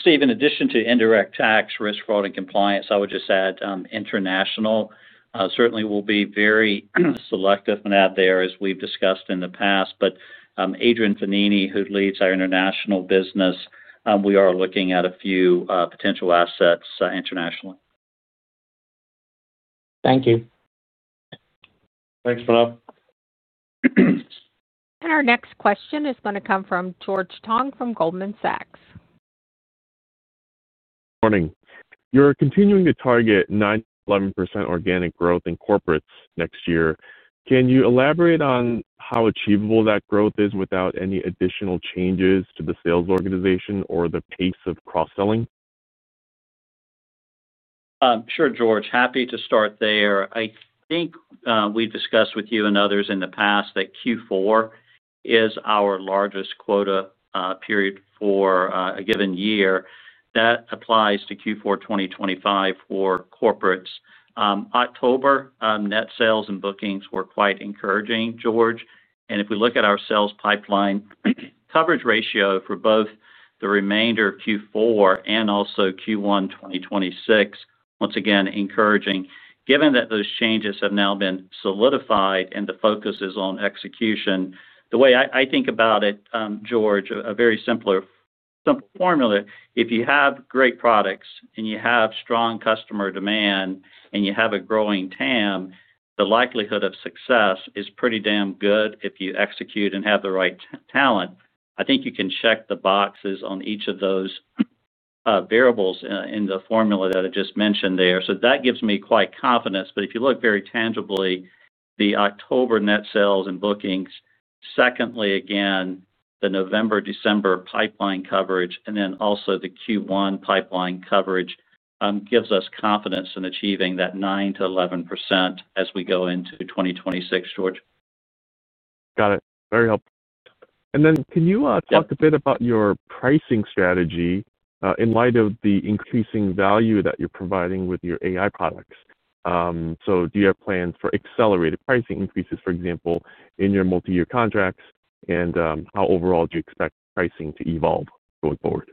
Steve, in addition to indirect tax, risk, fraud, and compliance, I would just add international certainly will be very selective, Manav, there, as we've discussed in the past. But Adrian Fannini, who leads our international business. We are looking at a few potential assets internationally. Thank you. Thanks, Manav. And our next question is going to come from George Tong from Goldman Sachs. Morning. You're continuing to target 9%-11% organic growth in corporates next year. Can you elaborate on how achievable that growth is without any additional changes to the sales organization or the pace of cross-selling? Sure, George. Happy to start there. I think we've discussed with you and others in the past that Q4 is our largest quota period for a given year. That applies to Q4 2025 for corporates. October, net sales and bookings were quite encouraging, George. And if we look at our sales pipeline coverage ratio for both the remainder of Q4 and also Q1 2026, once again, encouraging. Given that those changes have now been solidified and the focus is on execution, the way I think about it, George, a very simple formula, if you have great products and you have strong customer demand and you have a growing TAM, the likelihood of success is pretty damn good if you execute and have the right talent. I think you can check the boxes on each of those variables in the formula that I just mentioned there. So that gives me quite confidence. But if you look very tangibly, the October net sales and bookings, secondly, again, the November, December pipeline coverage, and then also the Q1 pipeline coverage gives us confidence in achieving that 9%-11% as we go into 2026, George. Got it. Very helpful. And then can you talk a bit about your pricing strategy in light of the increasing value that you're providing with your AI products? So do you have plans for accelerated pricing increases, for example, in your multi-year contracts, and how overall do you expect pricing to evolve going forward?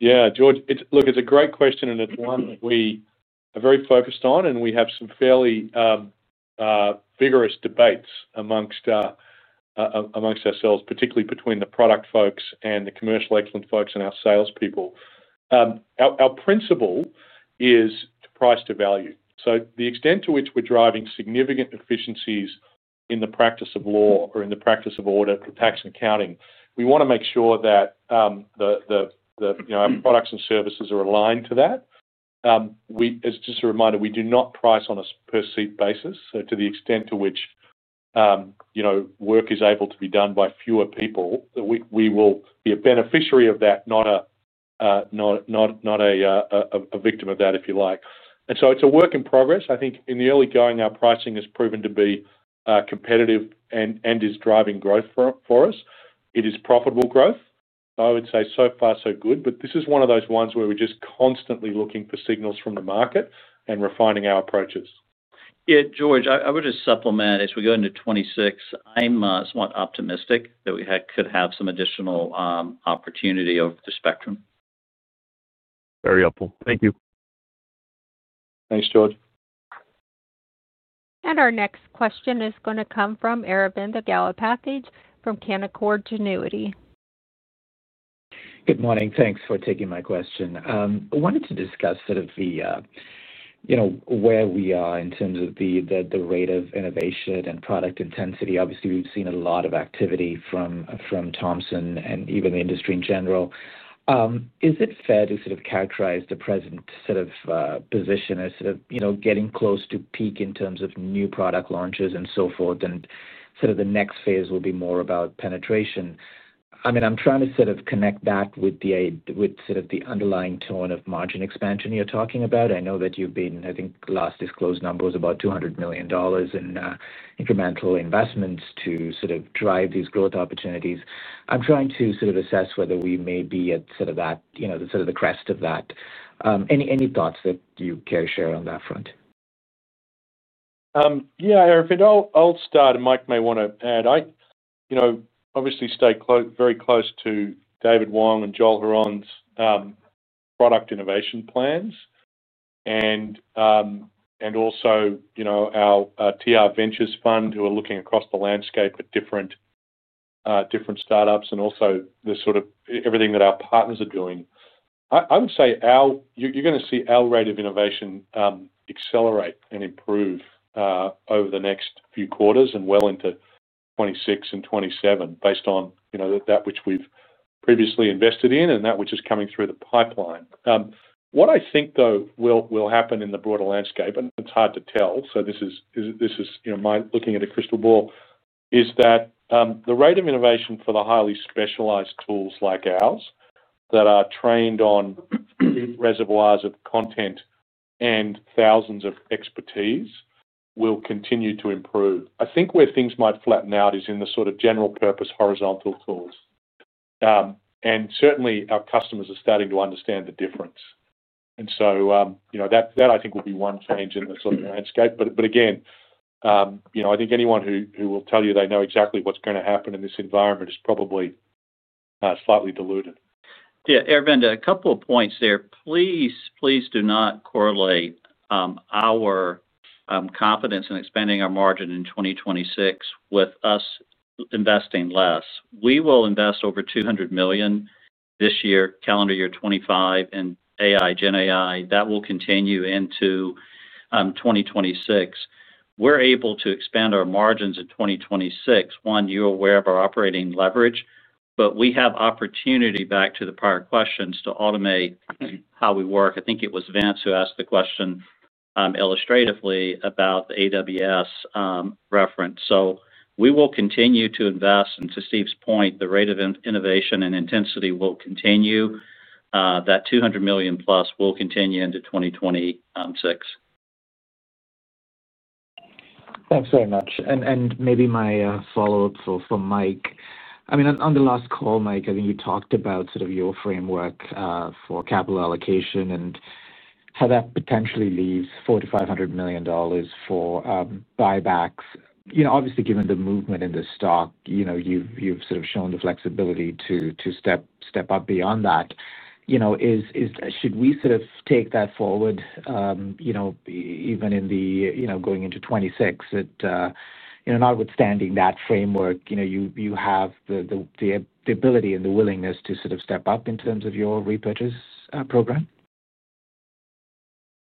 Yeah, George, look, it's a great question, and it's one that we are very focused on, and we have some fairly vigorous debates amongst. Ourselves, particularly between the product folks and the commercial excellence folks and our salespeople. Our principle is price to value. So the extent to which we're driving significant efficiencies in the practice of law or in the practice of order for tax and accounting, we want to make sure that the products and services are aligned to that. As just a reminder, we do not price on a per-seat basis. So to the extent to which work is able to be done by fewer people, we will be a beneficiary of that, not a victim of that, if you like. And so it's a work in progress. I think in the early going, our pricing has proven to be competitive and is driving growth for us. It is profitable growth. I would say so far, so good. But this is one of those ones where we're just constantly looking for signals from the market and refining our approaches. Yeah, George, I would just supplement as we go into 2026, I'm somewhat optimistic that we could have some additional opportunity over the spectrum. Very helpful. Thank you. Thanks, George. And our next question is going to come from Aravinda Galappatthige from Canaccord Genuity. Good morning. Thanks for taking my question. I wanted to discuss sort of the where we are in terms of the rate of innovation and product intensity. Obviously, we've seen a lot of activity from Thomson Reuters and even the industry in general. Is it fair to sort of characterize the present sort of position as sort of getting close to peak in terms of new product launches and so forth, and sort of the next phase will be more about penetration? I mean, I'm trying to sort of connect that with sort of the underlying tone of margin expansion you're talking about. I know that you've been, I think, last disclosed numbers about $200 million in incremental investments to sort of drive these growth opportunities. I'm trying to sort of assess whether we may be at sort of that, sort of the crest of that. Any thoughts that you care to share on that front? Yeah. If I don't start, Mike may want to add. I obviously stay very close to David Wong and Joel Huron's product innovation plans. And also our TR Ventures Fund, who are looking across the landscape at different startups and also the sort of everything that our partners are doing. I would say you're going to see our rate of innovation accelerate and improve over the next few quarters and well into 2026 and 2027 based on that which we've previously invested in and that which is coming through the pipeline. What I think, though, will happen in the broader landscape, and it's hard to tell, so this is my looking at a crystal ball, is that the rate of innovation for the highly specialized tools like ours that are trained on reservoirs of content and thousands of expertise will continue to improve. I think where things might flatten out is in the sort of general-purpose horizontal tools. And certainly, our customers are starting to understand the difference. And so. That, I think, will be one change in the sort of landscape. But again. I think anyone who will tell you they know exactly what's going to happen in this environment is probably. Slightly deluded. Yeah. Aravinda, a couple of points there. Please, please do not correlate our. Confidence in expanding our margin in 2026 with us. Investing less. We will invest over $200 million. This year, calendar year 2025, in AI, GenAI. That will continue into. 2026. We're able to expand our margins in 2026. One, you're aware of our operating leverage, but we have opportunity, back to the prior questions, to automate how we work. I think it was Vince who asked the question illustratively about the AWS. Reference. So we will continue to invest. To Steve's point, the rate of innovation and intensity will continue. That $200+ million will continue into 2026. Thanks very much. And maybe my follow-up for Mike. I mean, on the last call, Mike, I think you talked about sort of your framework for capital allocation and how that potentially leaves $400 million-$500 million for. Buybacks. Obviously, given the movement in the stock, you've sort of shown the flexibility to step up beyond that. Should we sort of take that forward. Even in the going into 2026? Notwithstanding that framework, you have the ability and the willingness to sort of step up in terms of your repurchase program?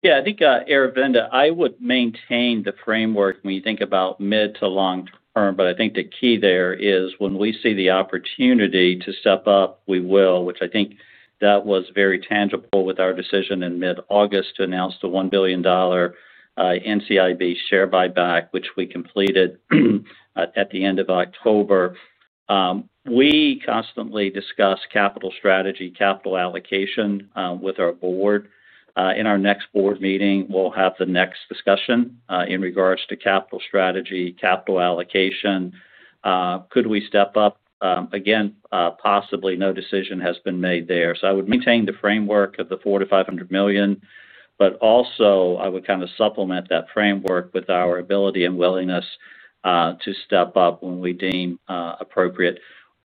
Yeah. I think, Aravinda, I would maintain the framework when you think about mid to long term. But I think the key there is when we see the opportunity to step up, we will, which I think that was very tangible with our decision in mid-August to announce the $1 billion. NCIB share buyback, which we completed. At the end of October. We constantly discuss capital strategy, capital allocation with our board. In our next board meeting, we'll have the next discussion in regards to capital strategy, capital allocation. Could we step up? Again, possibly no decision has been made there. So I would maintain the framework of the $400 million-$500 million, but also I would kind of supplement that framework with our ability and willingness to step up when we deem appropriate.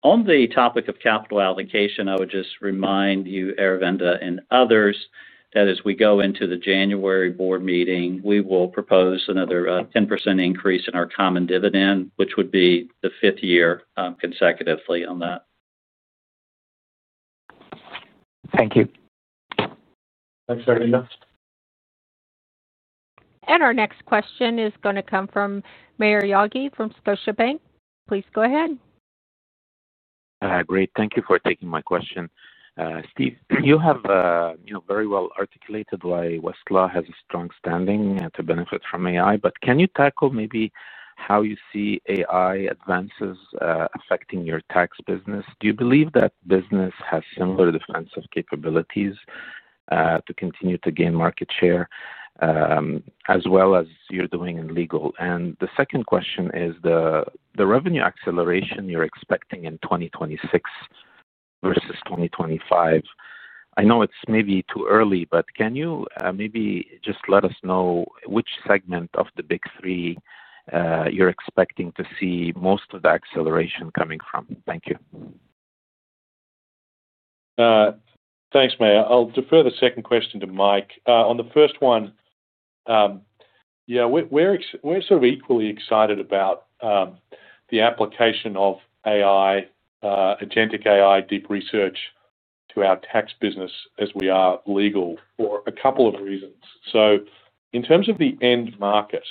On the topic of capital allocation, I would just remind you, Aravinda and others, that as we go into the January board meeting, we will propose another 10% increase in our common dividend, which would be the fifth year consecutively on that. Thank you. Thanks, Aravinda. And our next question is going to come from Maher Yaghi from Scotiabank. Please go ahead. Great. Thank you for taking my question. Steve, you have very well articulated why Westlaw has a strong standing to benefit from AI. But can you tackle maybe how you see AI advances affecting your tax business? Do you believe that business has similar defensive capabilities to continue to gain market share as well as you're doing in legal? And the second question is the revenue acceleration you're expecting in 2026 versus 2025. I know it's maybe too early, but can you maybe just let us know which segment of the big three you're expecting to see most of the acceleration coming from? Thank you. Thanks, Maher. I'll defer the second question to Mike. On the first one. Yeah, we're sort of equally excited about the application of agentic AI deep research to our tax business as we are legal for a couple of reasons. So in terms of the end market,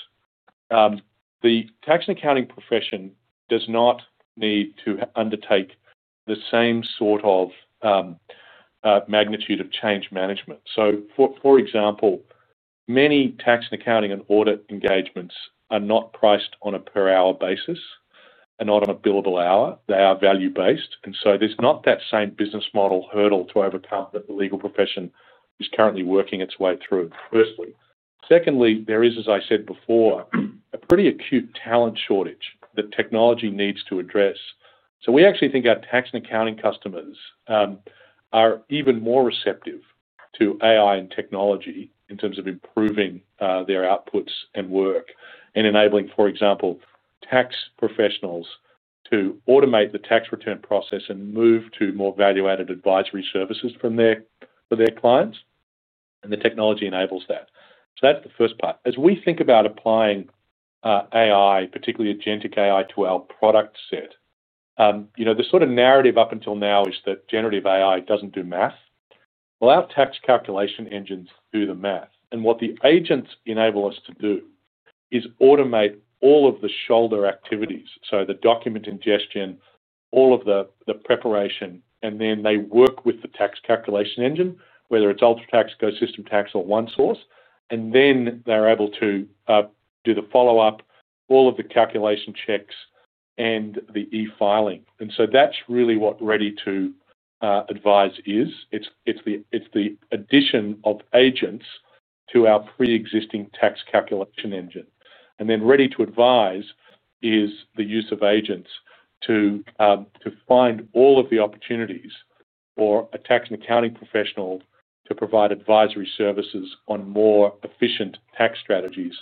the tax and accounting profession does not need to undertake the same sort of magnitude of change management. So for example, many tax and accounting and audit engagements are not priced on a per-hour basis and not on a billable hour. They are value-based. And so there's not that same business model hurdle to overcome that the legal profession is currently working its way through, firstly. Secondly, there is, as I said before, a pretty acute talent shortage that technology needs to address. So we actually think our tax and accounting customers are even more receptive to AI and technology in terms of improving their outputs and work and enabling, for example, tax professionals to automate the tax return process and move to more value-added advisory services for their clients. And the technology enables that. So that's the first part. As we think about applying AI, particularly agentic AI, to our product set, the sort of narrative up until now is that generative AI doesn't do math. Well, our tax calculation engines do the math. And what the agents enable us to do is automate all of the shoulder activities, so the document ingestion, all of the preparation, and then they work with the tax calculation engine, whether it's UltraTax, GoSystem Tax, or ONESOURCE, and then they're able to do the follow-up, all of the calculation checks, and the e-filing. And so that's really what Ready to Advise is. It's the addition of agents to our pre-existing tax calculation engine. And then Ready to Advise is the use of agents to find all of the opportunities for a tax and accounting professional to provide advisory services on more efficient tax strategies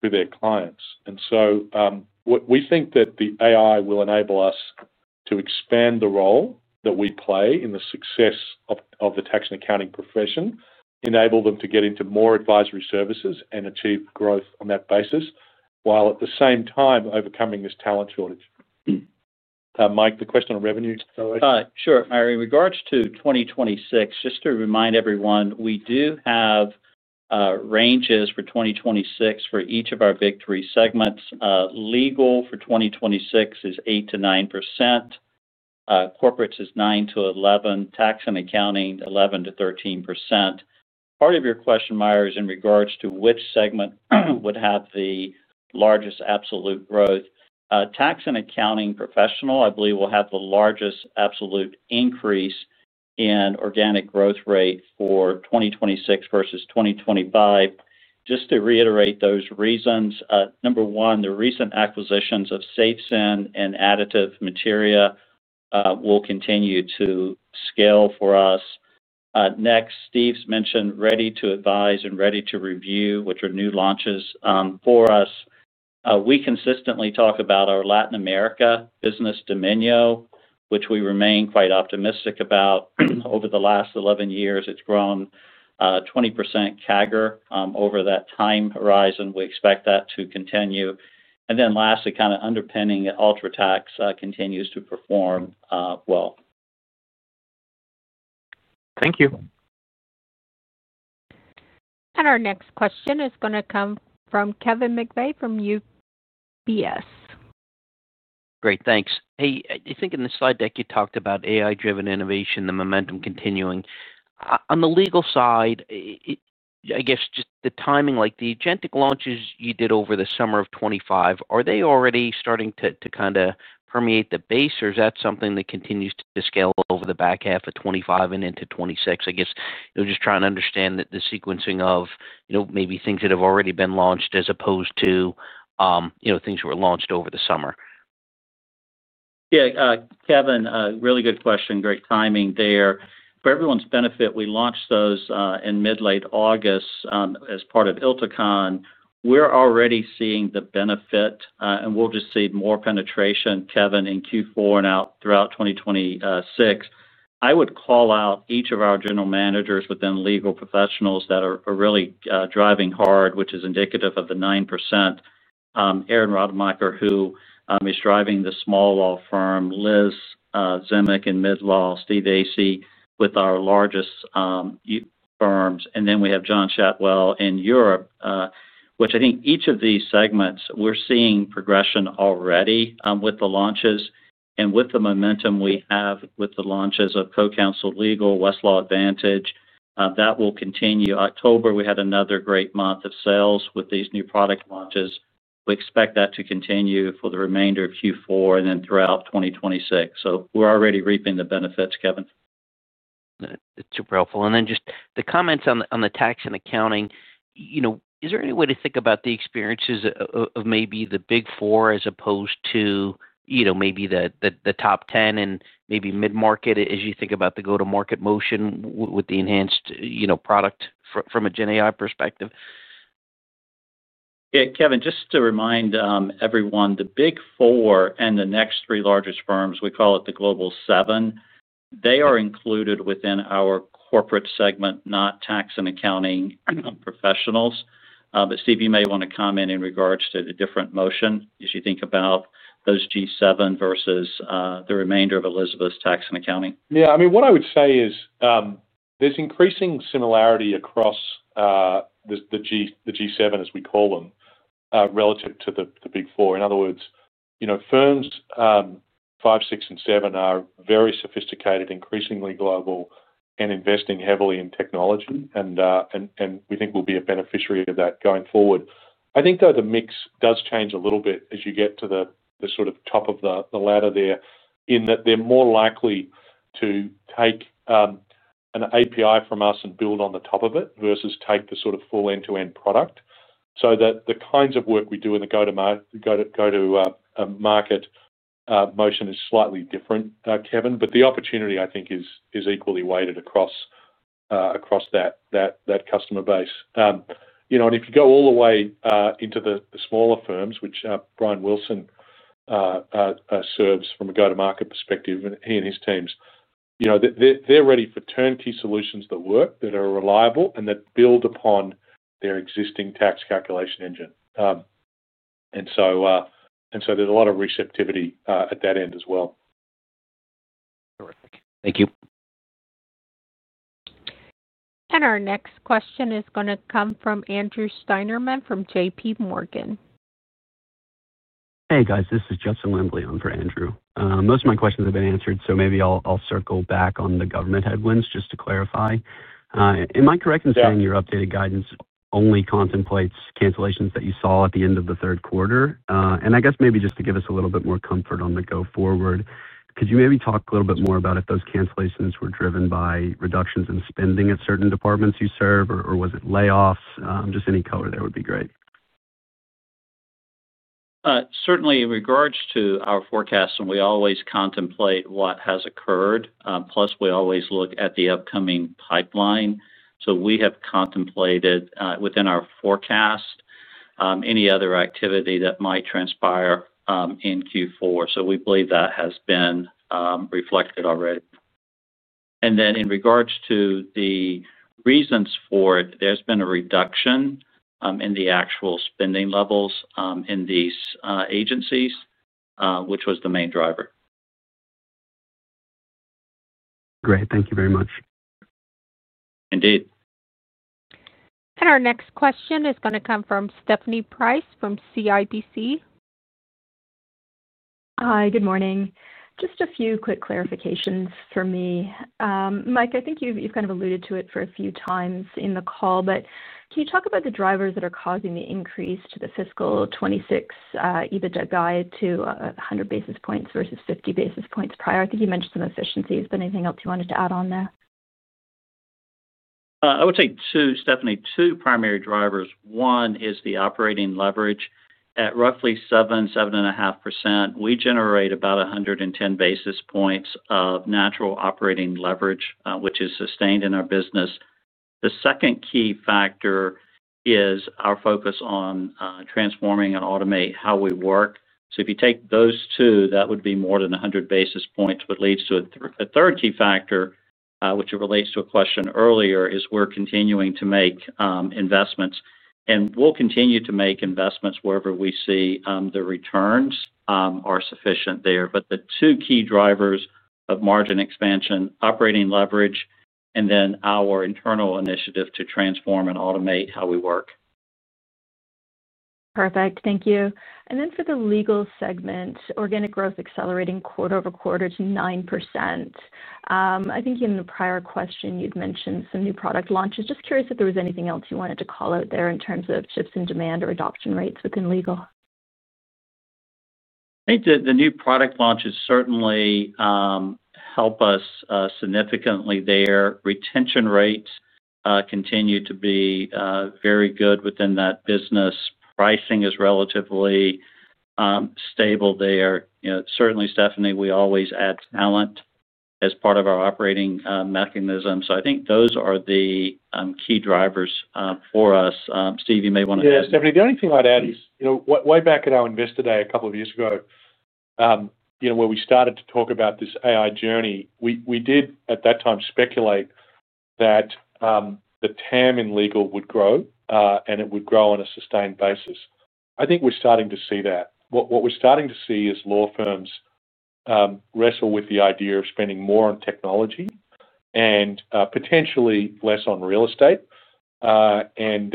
for their clients. And so we think that the AI will enable us to expand the role that we play in the success of the tax and accounting profession, enable them to get into more advisory services, and achieve growth on that basis while at the same time overcoming this talent shortage. Mike, the question on revenue. Sure. In regards to 2026, just to remind everyone, we do have ranges for 2026 for each of our big three segments. Legal for 2026 is 8%-9%. Corporates is 9%-11%, tax and accounting 11%-13%. Part of your question, Maher, is in regards to which segment would have the largest absolute growth. Tax and accounting professional, I believe, will have the largest absolute increase in organic growth rate for 2026 versus 2025. Just to reiterate those reasons, number one, the recent acquisitions of SafeSend and Materia will continue to scale for us. Next, Steve's mentioned Ready to Advise and Ready to Review, which are new launches for us. We consistently talk about our Latin America business dominance, which we remain quite optimistic about. Over the last 11 years, it's grown 20% CAGR over that time horizon. We expect that to continue. And then lastly, kind of underpinning UltraTax continues to perform. Well. Thank you. And our next question is going to come from Kevin Mcveigh from UBS. Great. Thanks. Hey, I think in the slide deck, you talked about AI-driven innovation, the momentum continuing. On the legal side. I guess just the timing, like the agentic launches you did over the summer of 2025, are they already starting to kind of permeate the base, or is that something that continues to scale over the back half of 2025 and into 2026? I guess just trying to understand the sequencing of maybe things that have already been launched as opposed to. Things that were launched over the summer. Yeah. Kevin, really good question. Great timing there. For everyone's benefit, we launched those in mid-late August as part of ILTACON. We're already seeing the benefit, and we'll just see more penetration, Kevin, in Q4 and out throughout 2026. I would call out each of our general managers within legal professionals that are really driving hard, which is indicative of the 9%. Aaron Rademacher, who is driving the small law firm, Liz Zemeck in mid-law, Steve Acy with our largest. Firms. And then we have John Chatwell in Europe, which I think each of these segments, we're seeing progression already with the launches. And with the momentum we have with the launches of Co-Counsel, Westlaw Advantage, that will continue. October, we had another great month of sales with these new product launches. We expect that to continue for the remainder of Q4 and then throughout 2026. So we're already reaping the benefits, Kevin. Super helpful. And then just the comments on the tax and accounting, is there any way to think about the experiences of maybe the big four as opposed to. Maybe the top 10 and maybe mid-market as you think about the go-to-market motion with the enhanced product from a GenAI perspective? Yeah. Kevin, just to remind everyone, the big four and the next three largest firms, we call it the global seven, they are included within our corporate segment, not tax and accounting professionals. But Steve, you may want to comment in regards to the different motion as you think about those G7 versus the remainder of Elizabeth's tax and accounting. Yeah. I mean, what I would say is. There's increasing similarity across. The G7, as we call them, relative to the big four. In other words, firms five, six, and seven are very sophisticated, increasingly global, and investing heavily in technology, and we think we'll be a beneficiary of that going forward. I think, though, the mix does change a little bit as you get to the sort of top of the ladder there in that they're more likely to take an API from us and build on the top of it versus take the sort of full end-to-end product. So the kinds of work we do in the go-to-market motion is slightly different, Kevin, but the opportunity, I think, is equally weighted across that customer base. And if you go all the way into the smaller firms, which Brian Wilson serves from a go-to-market perspective, he and his teams, they're ready for turnkey solutions that work, that are reliable, and that build upon their existing tax calculation engine. And so there's a lot of receptivity at that end as well. Thank you. And our next question is going to come from Andrew Steinerman from J.P. Morgan. Hey, guys. This is [Justin Wembley] on for Andrew. Most of my questions have been answered, so maybe I'll circle back on the government headwinds just to clarify. Am I correct in saying your updated guidance only contemplates cancellations that you saw at the end of the third quarter? And I guess maybe just to give us a little bit more comfort on the go-forward, could you maybe talk a little bit more about if those cancellations were driven by reductions in spending at certain departments you serve, or was it layoffs? Just any color there would be great. Certainly, in regards to our forecasts, we always contemplate what has occurred. Plus, we always look at the upcoming pipeline. So we have contemplated within our forecast any other activity that might transpire in Q4. So we believe that has been reflected already. And then in regards to the reasons for it, there's been a reduction in the actual spending levels in these agencies, which was the main driver. Great. Thank you very much. Indeed. And our next question is going to come from Stephanie Price from CIBC. Hi. Good morning. Just a few quick clarifications for me. Mike, I think you've kind of alluded to it for a few times in the call, but can you talk about the drivers that are causing the increase to the fiscal 2026 EBITDA guide to 100 basis points versus 50 basis points prior? I think you mentioned some efficiencies. But anything else you wanted to add on there? I would say, Stephanie, two primary drivers. One is the operating leverage at roughly 7%-7.5%. We generate about 110 basis points of natural operating leverage, which is sustained in our business. The second key factor is our focus on transforming and automating how we work. So if you take those two, that would be more than 100 basis points, which leads to a third key factor, which relates to a question earlier, is we're continuing to make investments. And we'll continue to make investments wherever we see the returns are sufficient there. But the two key drivers of margin expansion, operating leverage, and then our internal initiative to transform and automate how we work. Perfect. Thank you. And then for the legal segment, organic growth accelerating quarter-over-quarter to 9%. I think in the prior question, you'd mentioned some new product launches. Just curious if there was anything else you wanted to call out there in terms of shifts in demand or adoption rates within legal. I think the new product launches certainly help us significantly there. Retention rates continue to be very good within that business. Pricing is relatively stable there. Certainly, Stephanie, we always add talent as part of our operating mechanism. So I think those are the key drivers for us. Steve, you may want to add. Yeah. Stephanie, the only thing I'd add is way back at our Investor Day a couple of years ago, where we started to talk about this AI journey, we did at that time speculate that. The TAM in legal would grow, and it would grow on a sustained basis. I think we're starting to see that. What we're starting to see is law firms wrestle with the idea of spending more on technology and potentially less on real estate. And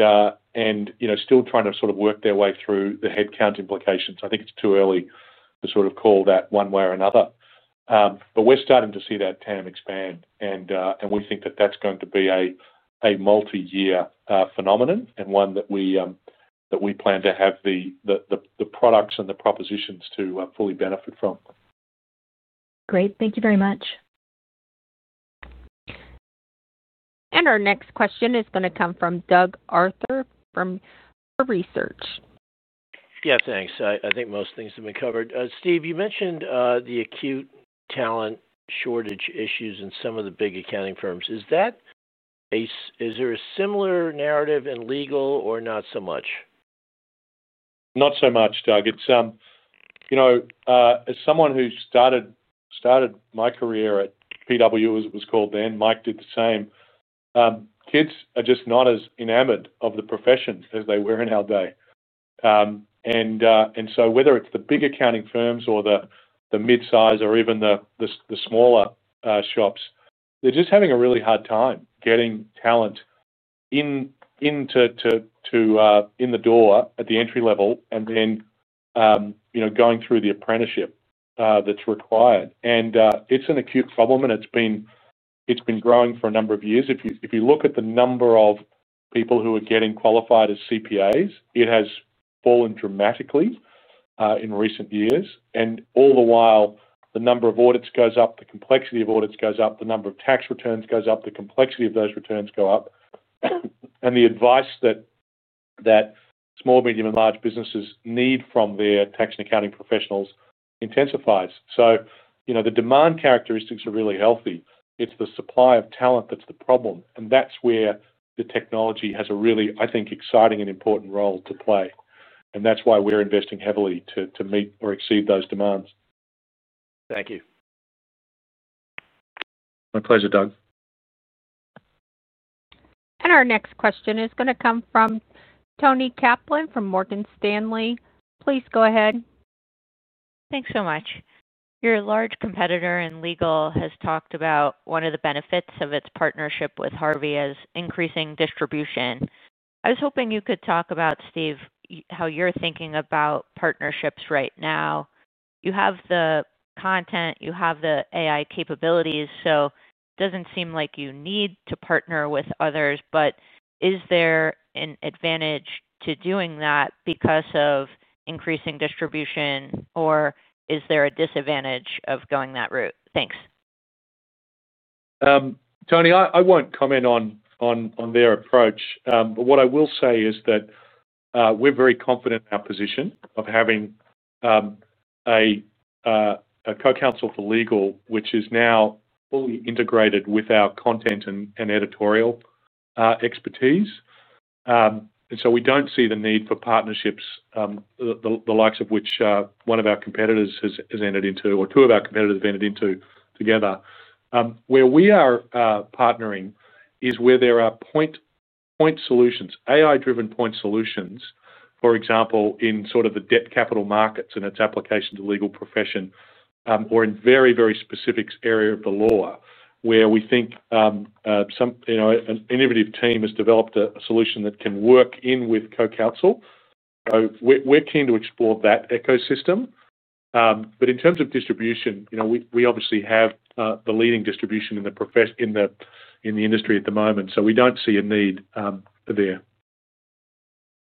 still trying to sort of work their way through the headcount implications. I think it's too early to sort of call that one way or another. But we're starting to see that TAM expand. And we think that that's going to be a multi-year phenomenon and one that we plan to have the products and the propositions to fully benefit from. Great. Thank you very much. And our next question is going to come from Doug Arthur from Huber Research. Yeah. Thanks. I think most things have been covered. Steve, you mentioned the acute talent shortage issues in some of the big accounting firms. Is there a similar narrative in legal or not so much? Not so much, Doug. As someone who started my career at PW, as it was called then, Mike did the same, kids are just not as enamored of the profession as they were in our day. And so whether it's the big accounting firms or the midsize or even the smaller shops, they're just having a really hard time getting talent. In the door at the entry level and then going through the apprenticeship that's required. And it's an acute problem, and it's been growing for a number of years. If you look at the number of people who are getting qualified as CPAs, it has fallen dramatically in recent years. And all the while, the number of audits goes up, the complexity of audits goes up, the number of tax returns goes up, the complexity of those returns goes up. And the advice that small, medium, and large businesses need from their tax and accounting professionals intensifies. So the demand characteristics are really healthy. It's the supply of talent that's the problem. And that's where the technology has a really, I think, exciting and important role to play. And that's why we're investing heavily to meet or exceed those demands. Thank you. My pleasure, Doug. And our next question is going to come from Toni Kaplan from Morgan Stanley. Please go ahead. Thanks so much. Your large competitor in legal has talked about one of the benefits of its partnership with Harvey as increasing distribution. I was hoping you could talk about, Steve, how you're thinking about partnerships right now. You have the content. You have the AI capabilities. So it doesn't seem like you need to partner with others. But is there an advantage to doing that because of increasing distribution, or is there a disadvantage of going that route? Thanks. Toni, I won't comment on their approach. But what I will say is that we're very confident in our position of having a Co-Counsel for legal, which is now fully integrated with our content and editorial expertise. And so we don't see the need for partnerships the likes of which one of our competitors has entered into, or two of our competitors have entered into together. Where we are partnering is where there are point solutions, AI-driven point solutions, for example, in sort of the debt capital markets and its application to the legal profession, or in very, very specific areas of the law where we think an innovative team has developed a solution that can work in with Co-Counsel. So we're keen to explore that ecosystem. But in terms of distribution, we obviously have the leading distribution in the industry at the moment. So we don't see a need there.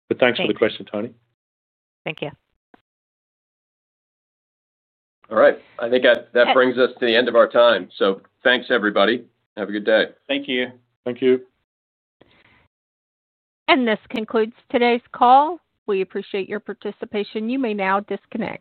But thanks for the question, Toni. Thank you. All right. I think that brings us to the end of our time. So thanks, everybody. Have a good day. Thank you. Thank you. And this concludes today's call. We appreciate your participation. You may now disconnect.